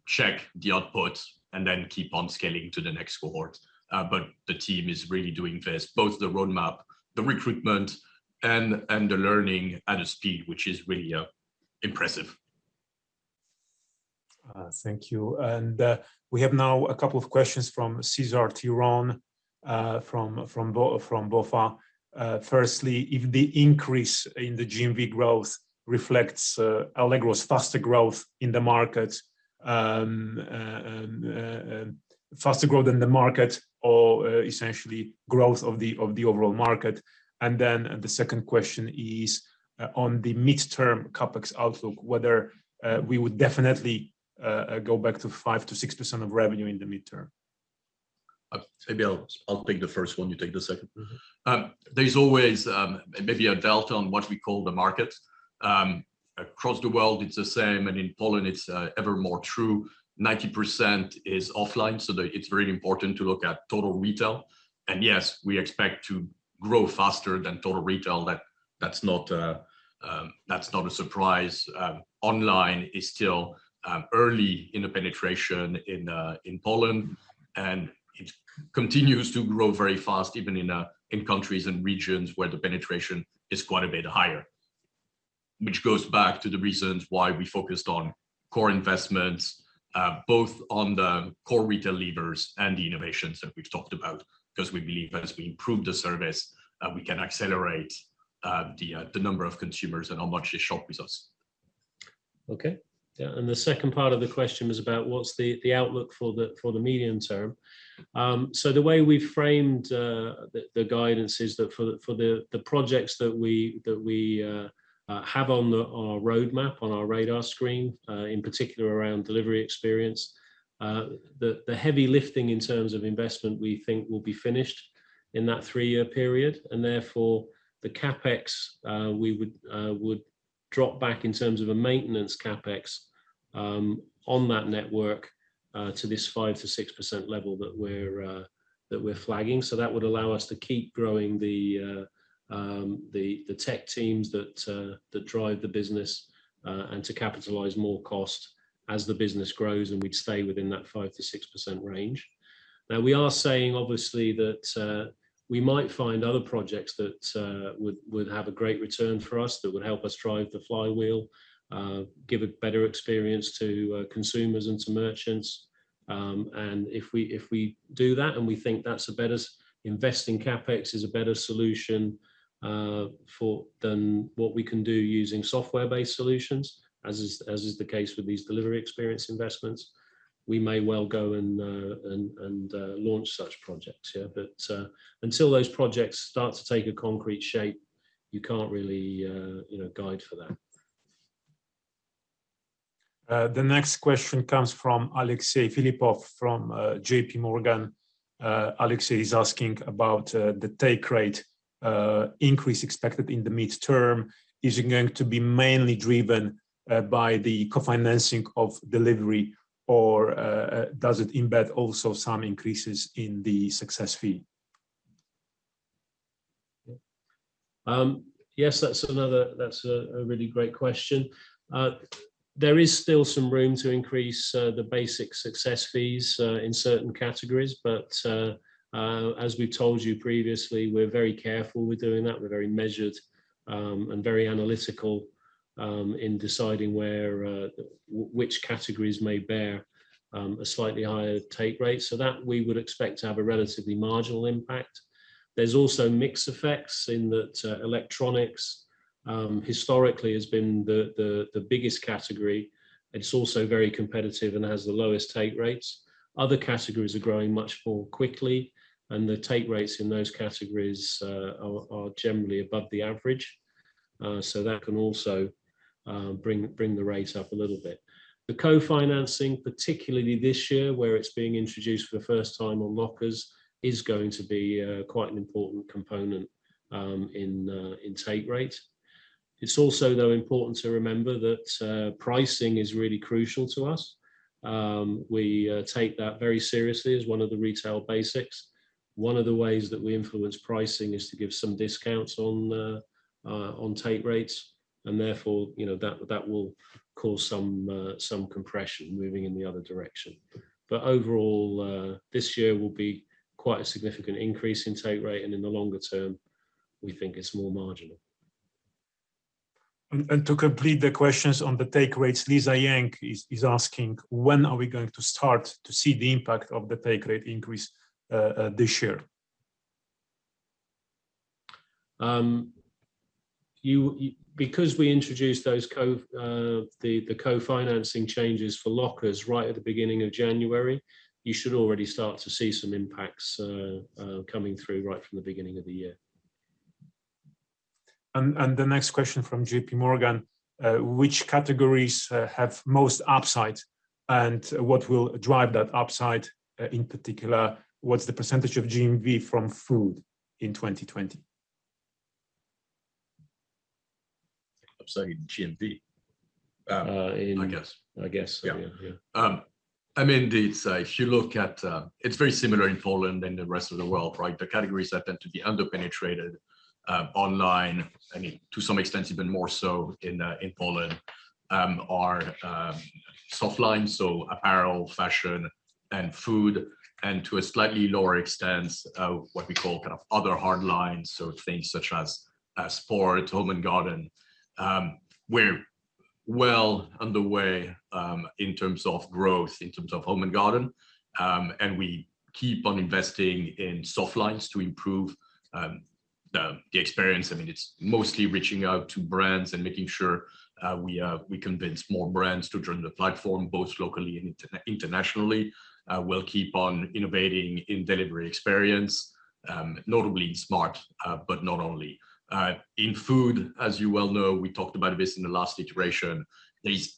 check the output, and then keep on scaling to the next cohort. The team is really doing this, both the roadmap, the recruitment, and the learning at a speed which is really impressive. Thank you. We have now a couple of questions from Cesar Tiron from BofA. Firstly, if the increase in the GMV growth reflects Allegro's faster growth in the market, or essentially growth of the overall market. The second question is on the midterm CapEx outlook, whether we would definitely go back to 5%-6% of revenue in the midterm. Maybe I'll take the first one, you take the second. There's always maybe a delta on what we call the market. Across the world, it's the same, and in Poland, it's ever more true. 90% is offline, so it's really important to look at total retail. Yes, we expect to grow faster than total retail, that's not a surprise. Online is still early in the penetration in Poland, and it continues to grow very fast, even in countries and regions where the penetration is quite a bit higher. Which goes back to the reasons why we focused on core investments, both on the core retail levers and the innovations that we've talked about, because we believe that as we improve the service, we can accelerate the number of consumers and how much they shop with us. Okay. Yeah, the second part of the question was about what's the outlook for the medium term. The way we framed the guidance is that for the projects that we have on our roadmap, on our radar screen, in particular around delivery experience, the heavy lifting in terms of investment we think will be finished in that three-year period, and therefore the CapEx, we would drop back in terms of a maintenance CapEx on that network to this 5%-6% level that we're flagging. That would allow us to keep growing the tech teams that drive the business, and to capitalize more cost as the business grows, and we'd stay within that 5%-6% range. We are saying, obviously, that we might find other projects that would have a great return for us, that would help us drive the flywheel, give a better experience to consumers and to merchants. If we do that and we think investing CapEx is a better solution than what we can do using software-based solutions, as is the case with these delivery experience investments, we may well go and launch such projects here. Until those projects start to take a concrete shape, you can't really guide for that. The next question comes from Alexey Philippov from JPMorgan. Alexey is asking about the take rate increase expected in the midterm. Is it going to be mainly driven by the co-financing of delivery, or does it embed also some increases in the success fee? Yes, that's a really great question. There is still some room to increase the basic success fees in certain categories. As we told you previously, we're very careful with doing that. We're very measured and very analytical in deciding which categories may bear a slightly higher take rate. We would expect to have a relatively marginal impact. There's also mix effects in that electronics historically has been the biggest category. It's also very competitive and has the lowest take rates. Other categories are growing much more quickly, and the take rates in those categories are generally above the average. That can also bring the rate up a little bit. The co-financing, particularly this year, where it's being introduced for the first time on lockers, is going to be quite an important component in take rate. It's also, though, important to remember that pricing is really crucial to us. We take that very seriously as one of the retail basics. One of the ways that we influence pricing is to give some discounts on take rates and therefore, that will cause some compression moving in the other direction. Overall, this year will be quite a significant increase in take rate, and in the longer term, we think it's more marginal. To complete the questions on the take rates, Lisa Yang is asking, when are we going to start to see the impact of the take rate increase this year? Because we introduced the co-financing changes for lockers right at the beginning of January, you should already start to see some impacts coming through right from the beginning of the year. The next question from JPMorgan, which categories have most upside, and what will drive that upside? In particular, what's the percentage of GMV from food in 2020? Upside in GMV? In- I guess. I guess. Yeah. Indeed, if you look at-- It's very similar in Poland than the rest of the world, right? The categories that tend to be under-penetrated online, to some extent even more so in Poland, are soft line, so apparel, fashion. Food, and to a slightly lower extent, what we call other hard lines, so things such as sports, home and garden. We're well underway in terms of growth, in terms of home and garden, and we keep on investing in soft lines to improve the experience. It's mostly reaching out to brands and making sure we convince more brands to join the platform, both locally and internationally. We'll keep on innovating in delivery experience, notably Smart!, but not only. In food, as you well know, we talked about this in the last iteration, there is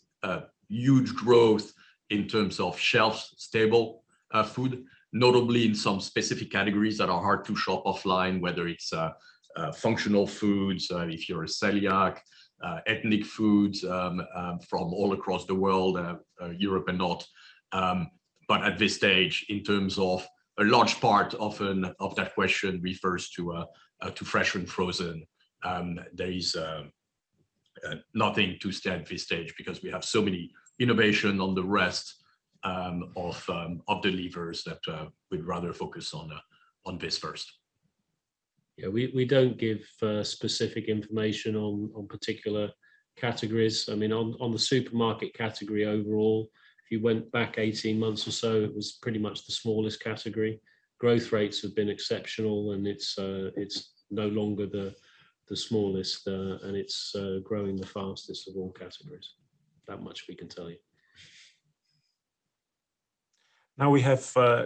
huge growth in terms of shelf-stable food, notably in some specific categories that are hard to shop offline, whether it's functional foods, if you're a celiac, ethnic foods from all across the world, Europe and not. At this stage, in terms of a large part often of that question refers to fresh and frozen. There is nothing to state at this stage, because we have so many innovation on the rest of the levers that we'd rather focus on this first. Yeah, we don't give specific information on particular categories. On the supermarket category overall, if you went back 18 months or so, it was pretty much the smallest category. Growth rates have been exceptional, and it's no longer the smallest, and it's growing the fastest of all categories. That much we can tell you. We have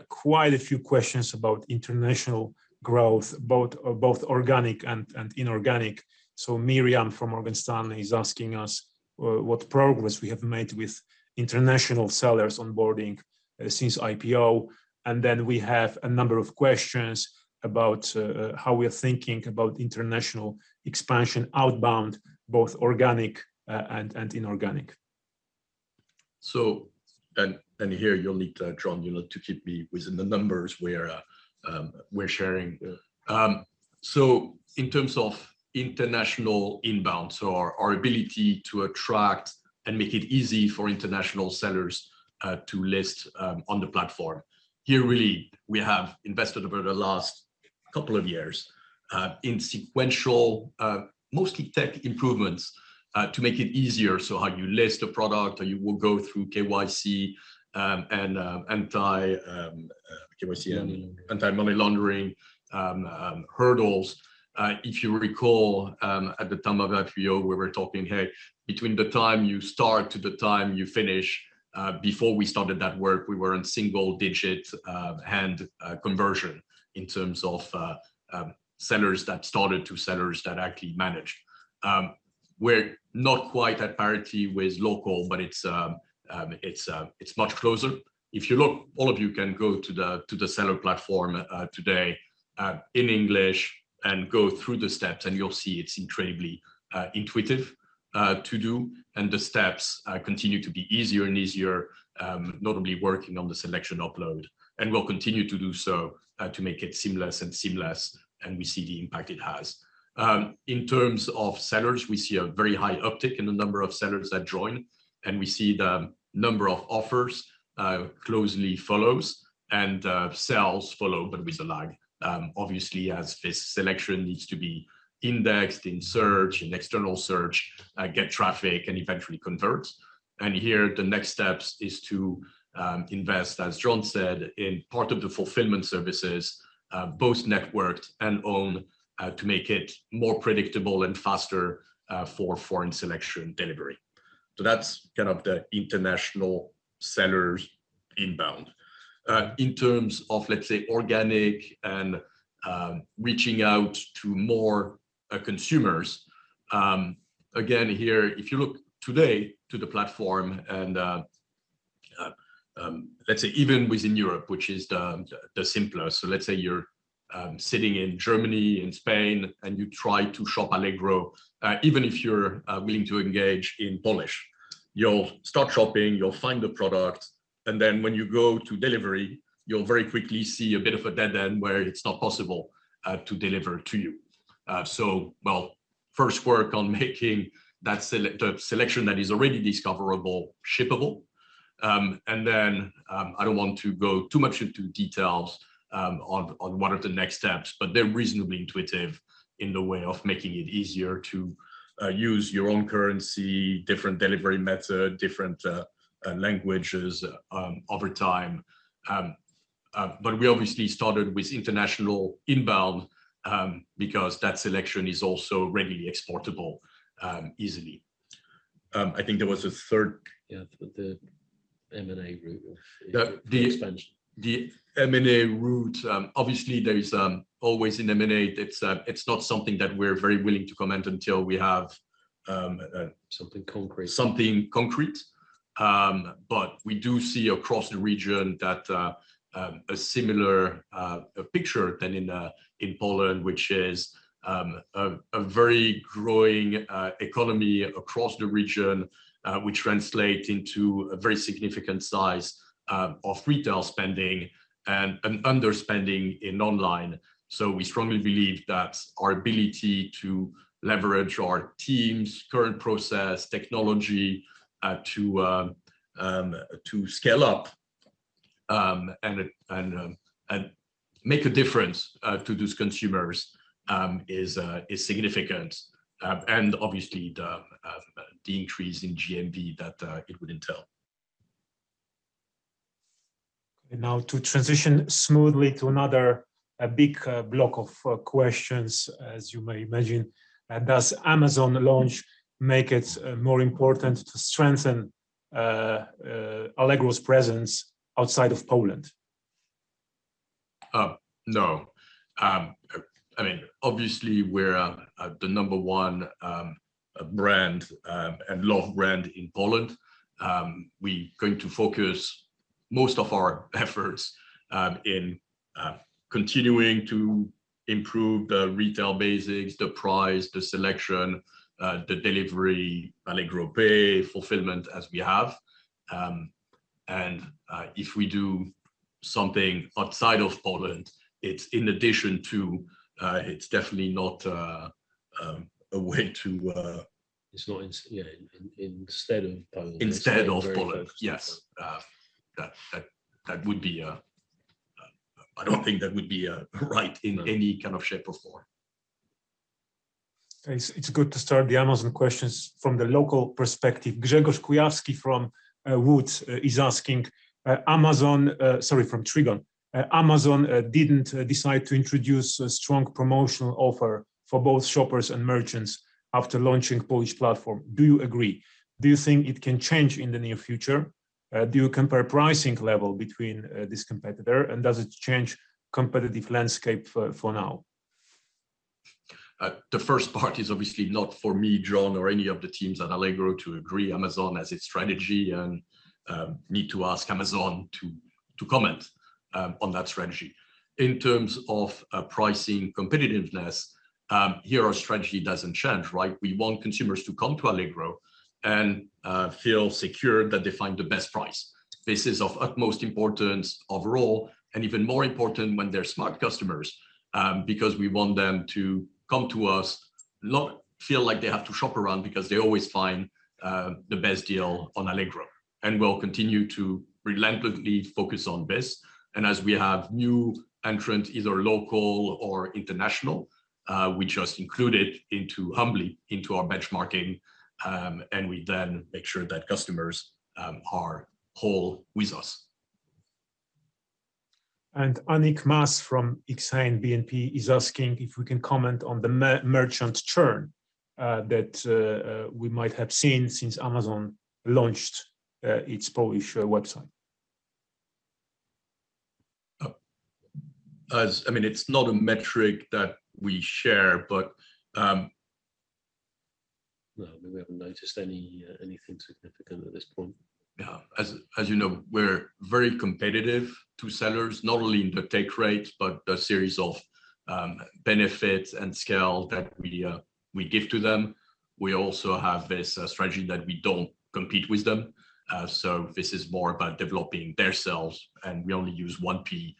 quite a few questions about international growth, both organic and inorganic. Miriam from Morgan Stanley is asking us what progress we have made with international sellers onboarding since IPO. We have a number of questions about how we're thinking about international expansion outbound, both organic and inorganic. Here, you'll need, Jon, to keep me within the numbers we're sharing. In terms of international inbound, so our ability to attract and make it easy for international sellers to list on the platform. Here, really, we have invested over the last couple of years in sequential, mostly tech improvements to make it easier. How you list a product, how you will go through KYC and anti-money laundering hurdles. If you recall, at the time of that IPO, we were talking, "Hey, between the time you start to the time you finish," before we started that work, we were on single-digit hand conversion in terms of sellers that started to sellers that actually managed. We're not quite at parity with local, but it's much closer. If you look, all of you can go to the seller platform today in English and go through the steps, and you'll see it's incredibly intuitive to do. The steps continue to be easier and easier, notably working on the selection upload, and we'll continue to do so to make it seamless and seamless, and we see the impact it has. In terms of sellers, we see a very high uptick in the number of sellers that join, and we see the number of offers closely follows, and sales follow, but with a lag. Obviously, as this selection needs to be indexed in search, in external search, get traffic, and eventually converts. Here, the next steps is to invest, as Jon said, in part of the fulfillment services, both networked and owned, to make it more predictable and faster for foreign selection delivery. That's kind of the international sellers inbound. In terms of, let's say, organic and reaching out to more consumers, again, here, if you look today to the platform and, let's say even within Europe, which is the simplest. Let's say you're sitting in Germany, in Spain, and you try to shop Allegro, even if you're willing to engage in Polish. You'll start shopping, you'll find a product, and then when you go to delivery, you'll very quickly see a bit of a dead end where it's not possible to deliver to you. Well, first work on making that selection that is already discoverable, shippable. Then, I don't want to go too much into details on what are the next steps, but they're reasonably intuitive in the way of making it easier to use your own currency, different delivery method, different languages over time. We obviously started with international inbound, because that selection is also readily exportable easily. I think there was a third- Yeah, I thought the M&A route of expansion. The M&A route, obviously there is always an M&A. It's not something that we're very willing to comment until we have. Something concrete. Something concrete. We do see across the region that a similar picture than in Poland, which is a very growing economy across the region, which translate into a very significant size of retail spending and underspending in online. We strongly believe that our ability to leverage our teams, current process, technology to scale up and make a difference to those consumers is significant, and obviously, the increase in GMV that it would entail. Now to transition smoothly to another big block of questions, as you may imagine. Does Amazon launch make it more important to strengthen Allegro's presence outside of Poland? No. Obviously, we're the number one brand and loved brand in Poland. We're going to focus most of our efforts in continuing to improve the retail basics, the price, the selection, the delivery, Allegro Pay, fulfillment as we have. If we do something outside of Poland, it's in addition to. It's definitely not a way to- It's not instead of Poland. Instead of Poland, yes. I don't think that would be right in any kind of shape or form. Okay. It's good to start the Amazon questions from the local perspective. Grzegorz Kujawski from Wood is asking, sorry, from Trigon. Amazon didn't decide to introduce a strong promotional offer for both shoppers and merchants after launching Polish platform. Do you agree? Do you think it can change in the near future? Do you compare pricing level between this competitor, and does it change competitive landscape for now? The first part is obviously not for me, Jon, or any of the teams at Allegro to agree Amazon as its strategy. Need to ask Amazon to comment on that strategy. In terms of pricing competitiveness, here our strategy doesn't change. We want consumers to come to Allegro and feel secure that they find the best price. This is of utmost importance overall. Even more important when they're Smart! customers, because we want them to come to us, not feel like they have to shop around because they always find the best deal on Allegro. We'll continue to relentlessly focus on this. As we have new entrant, either local or international, we just include it humbly into our benchmarking. We then make sure that customers are whole with us. Annick Maas from Exane BNP is asking if we can comment on the merchant churn that we might have seen since Amazon launched its Polish website. It's not a metric that we share, but- No, we haven't noticed anything significant at this point. Yeah. As you know, we're very competitive to sellers, not only in the take rate, but the series of benefits and scale that we give to them. We also have this strategy that we don't compete with them. This is more about developing themselves, and we only use 1P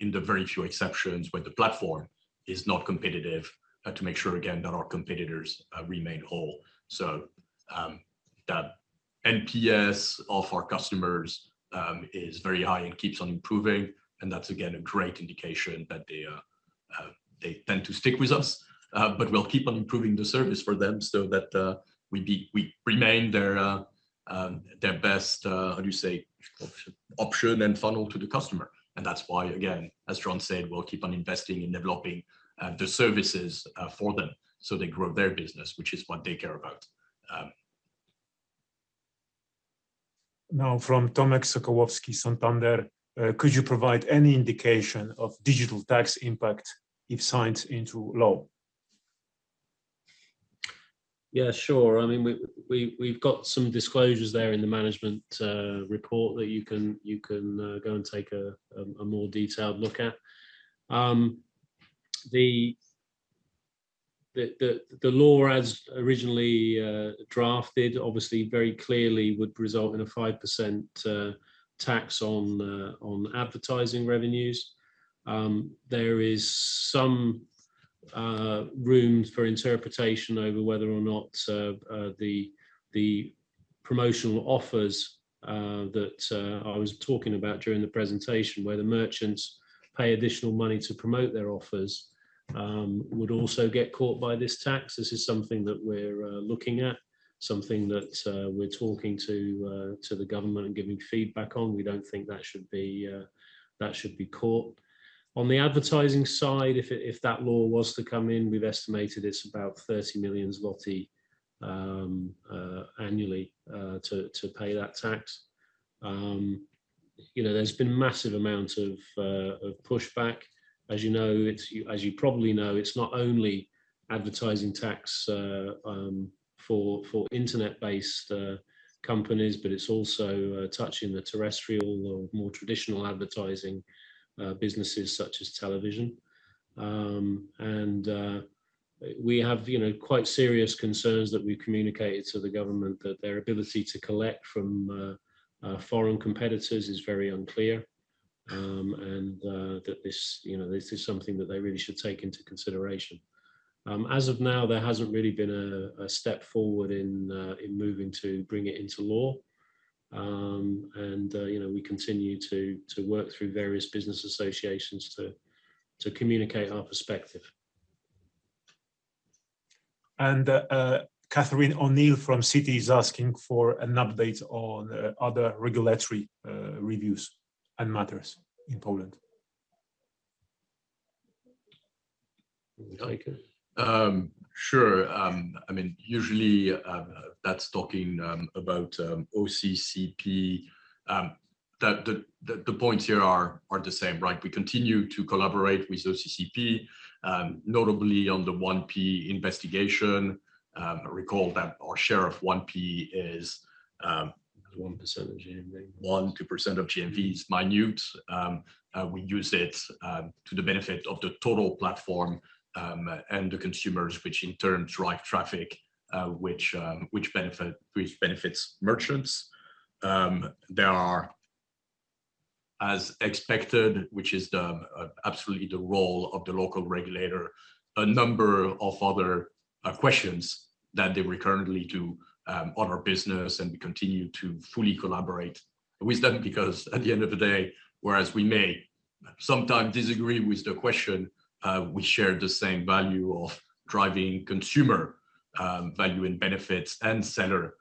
in the very few exceptions where the platform is not competitive to make sure, again, that our competitors remain whole. That NPS of our customers is very high and keeps on improving, and that's, again, a great indication that they tend to stick with us. But we'll keep on improving the service for them so that we remain their best, how do you say? Option. Option and funnel to the customer. That's why, again, as Jon said, we'll keep on investing in developing the services for them so they grow their business, which is what they care about. Now from Tomasz Sokołowski, Santander. Could you provide any indication of digital tax impact if signed into law? Yeah, sure. We've got some disclosures there in the management report that you can go and take a more detailed look at. The law as originally drafted, obviously very clearly would result in a 5% tax on advertising revenues. There is some room for interpretation over whether or not the promotional offers that I was talking about during the presentation, where the merchants pay additional money to promote their offers, would also get caught by this tax. This is something that we're looking at, something that we're talking to the government and giving feedback on. We don't think that should be caught. On the advertising side, if that law was to come in, we've estimated it's about 30 million zloty annually to pay that tax. There's been massive amount of pushback. As you probably know, it's not only digital tax for internet-based companies, but it's also touching the terrestrial or more traditional advertising businesses such as television. We have quite serious concerns that we've communicated to the government that their ability to collect from foreign competitors is very unclear, and that this is something that they really should take into consideration. As of now, there hasn't really been a step forward in moving to bring it into law. We continue to work through various business associations to communicate our perspective. Catherine O'Neill from Citi is asking for an update on other regulatory reviews and matters in Poland. Would you like it? Sure. Usually, that's talking about UOKiK. The points here are the same, right? We continue to collaborate with UOKiK, notably on the 1P investigation. Recall that our share of 1P is. 1% of GMV. 1%-2% of GMV is minute. We use it to the benefit of the total platform, and the consumers, which in turn drive traffic, which benefits merchants. There are, as expected, which is absolutely the role of the local regulator, a number of other questions that they recurrently do on our business, and we continue to fully collaborate with them. Because at the end of the day, whereas we may sometimes disagree with the question, we share the same value of driving consumer value and benefits, and seller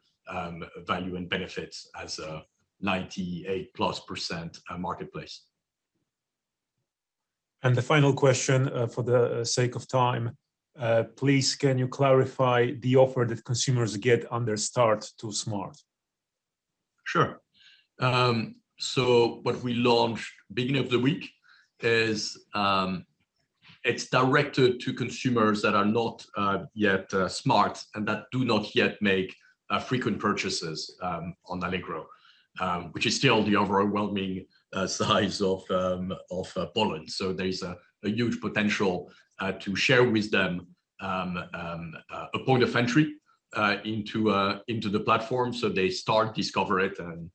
value and benefits as a 98%+ marketplace. The final question, for the sake of time, please can you clarify the offer that consumers get under Smart! na Start? Sure. What we launched beginning of the week is, it's directed to consumers that are not yet Smart!, and that do not yet make frequent purchases on Allegro, which is still the overwhelming size of Poland. There's a huge potential to share with them a point of entry into the platform, so they start, discover it, and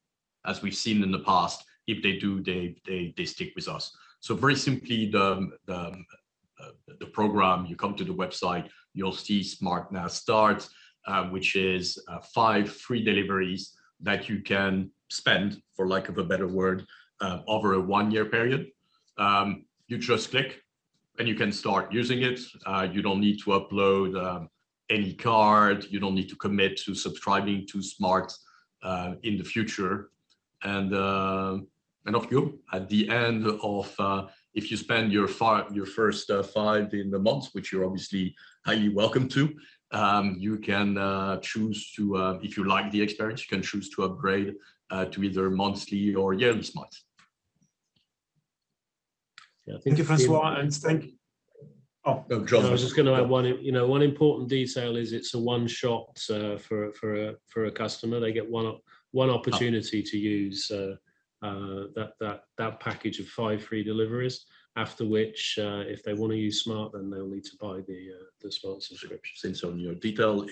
as we've seen in the past, if they do, they stick with us. Very simply, the program, you come to the website, you'll see Smart! na Start, which is five free deliveries that you can spend, for lack of a better word, over a one-year period. You just click, you can start using it. You don't need to upload any card. You don't need to commit to subscribing to Smart! in the future. Off you go. If you spend your first five in the month, which you're obviously highly welcome to, if you like the experience, you can choose to upgrade to either monthly or yearly Smart!. Yeah. Thank you. Thank you, François, and Eastick. No, Jon. No, I was just going to add one important detail is it's a one-shot for a customer. They get one opportunity to use that package of five free deliveries. After which, if they want to use Smart!, then they'll need to buy the Smart! subscription. Since on your detail,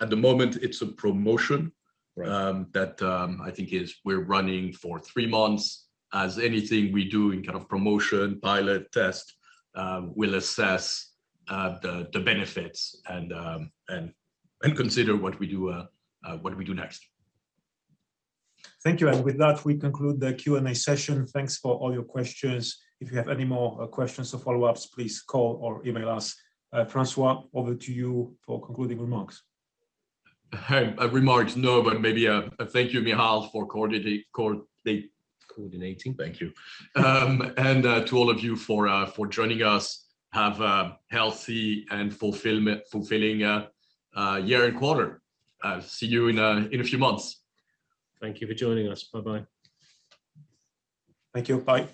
at the moment, it's a promotion. Right. That I think we're running for three months. As anything we do in kind of promotion, pilot test, we'll assess the benefits and consider what we do next. Thank you. With that, we conclude the Q&A session. Thanks for all your questions. If you have any more questions or follow-ups, please call or email us. François, over to you for concluding remarks. Remarks, no, but maybe a thank you, Michał, for coordinating. Coordinating. Thank you. To all of you for joining us. Have a healthy and fulfilling year and quarter. See you in a few months. Thank you for joining us. Bye-bye. Thank you. Bye.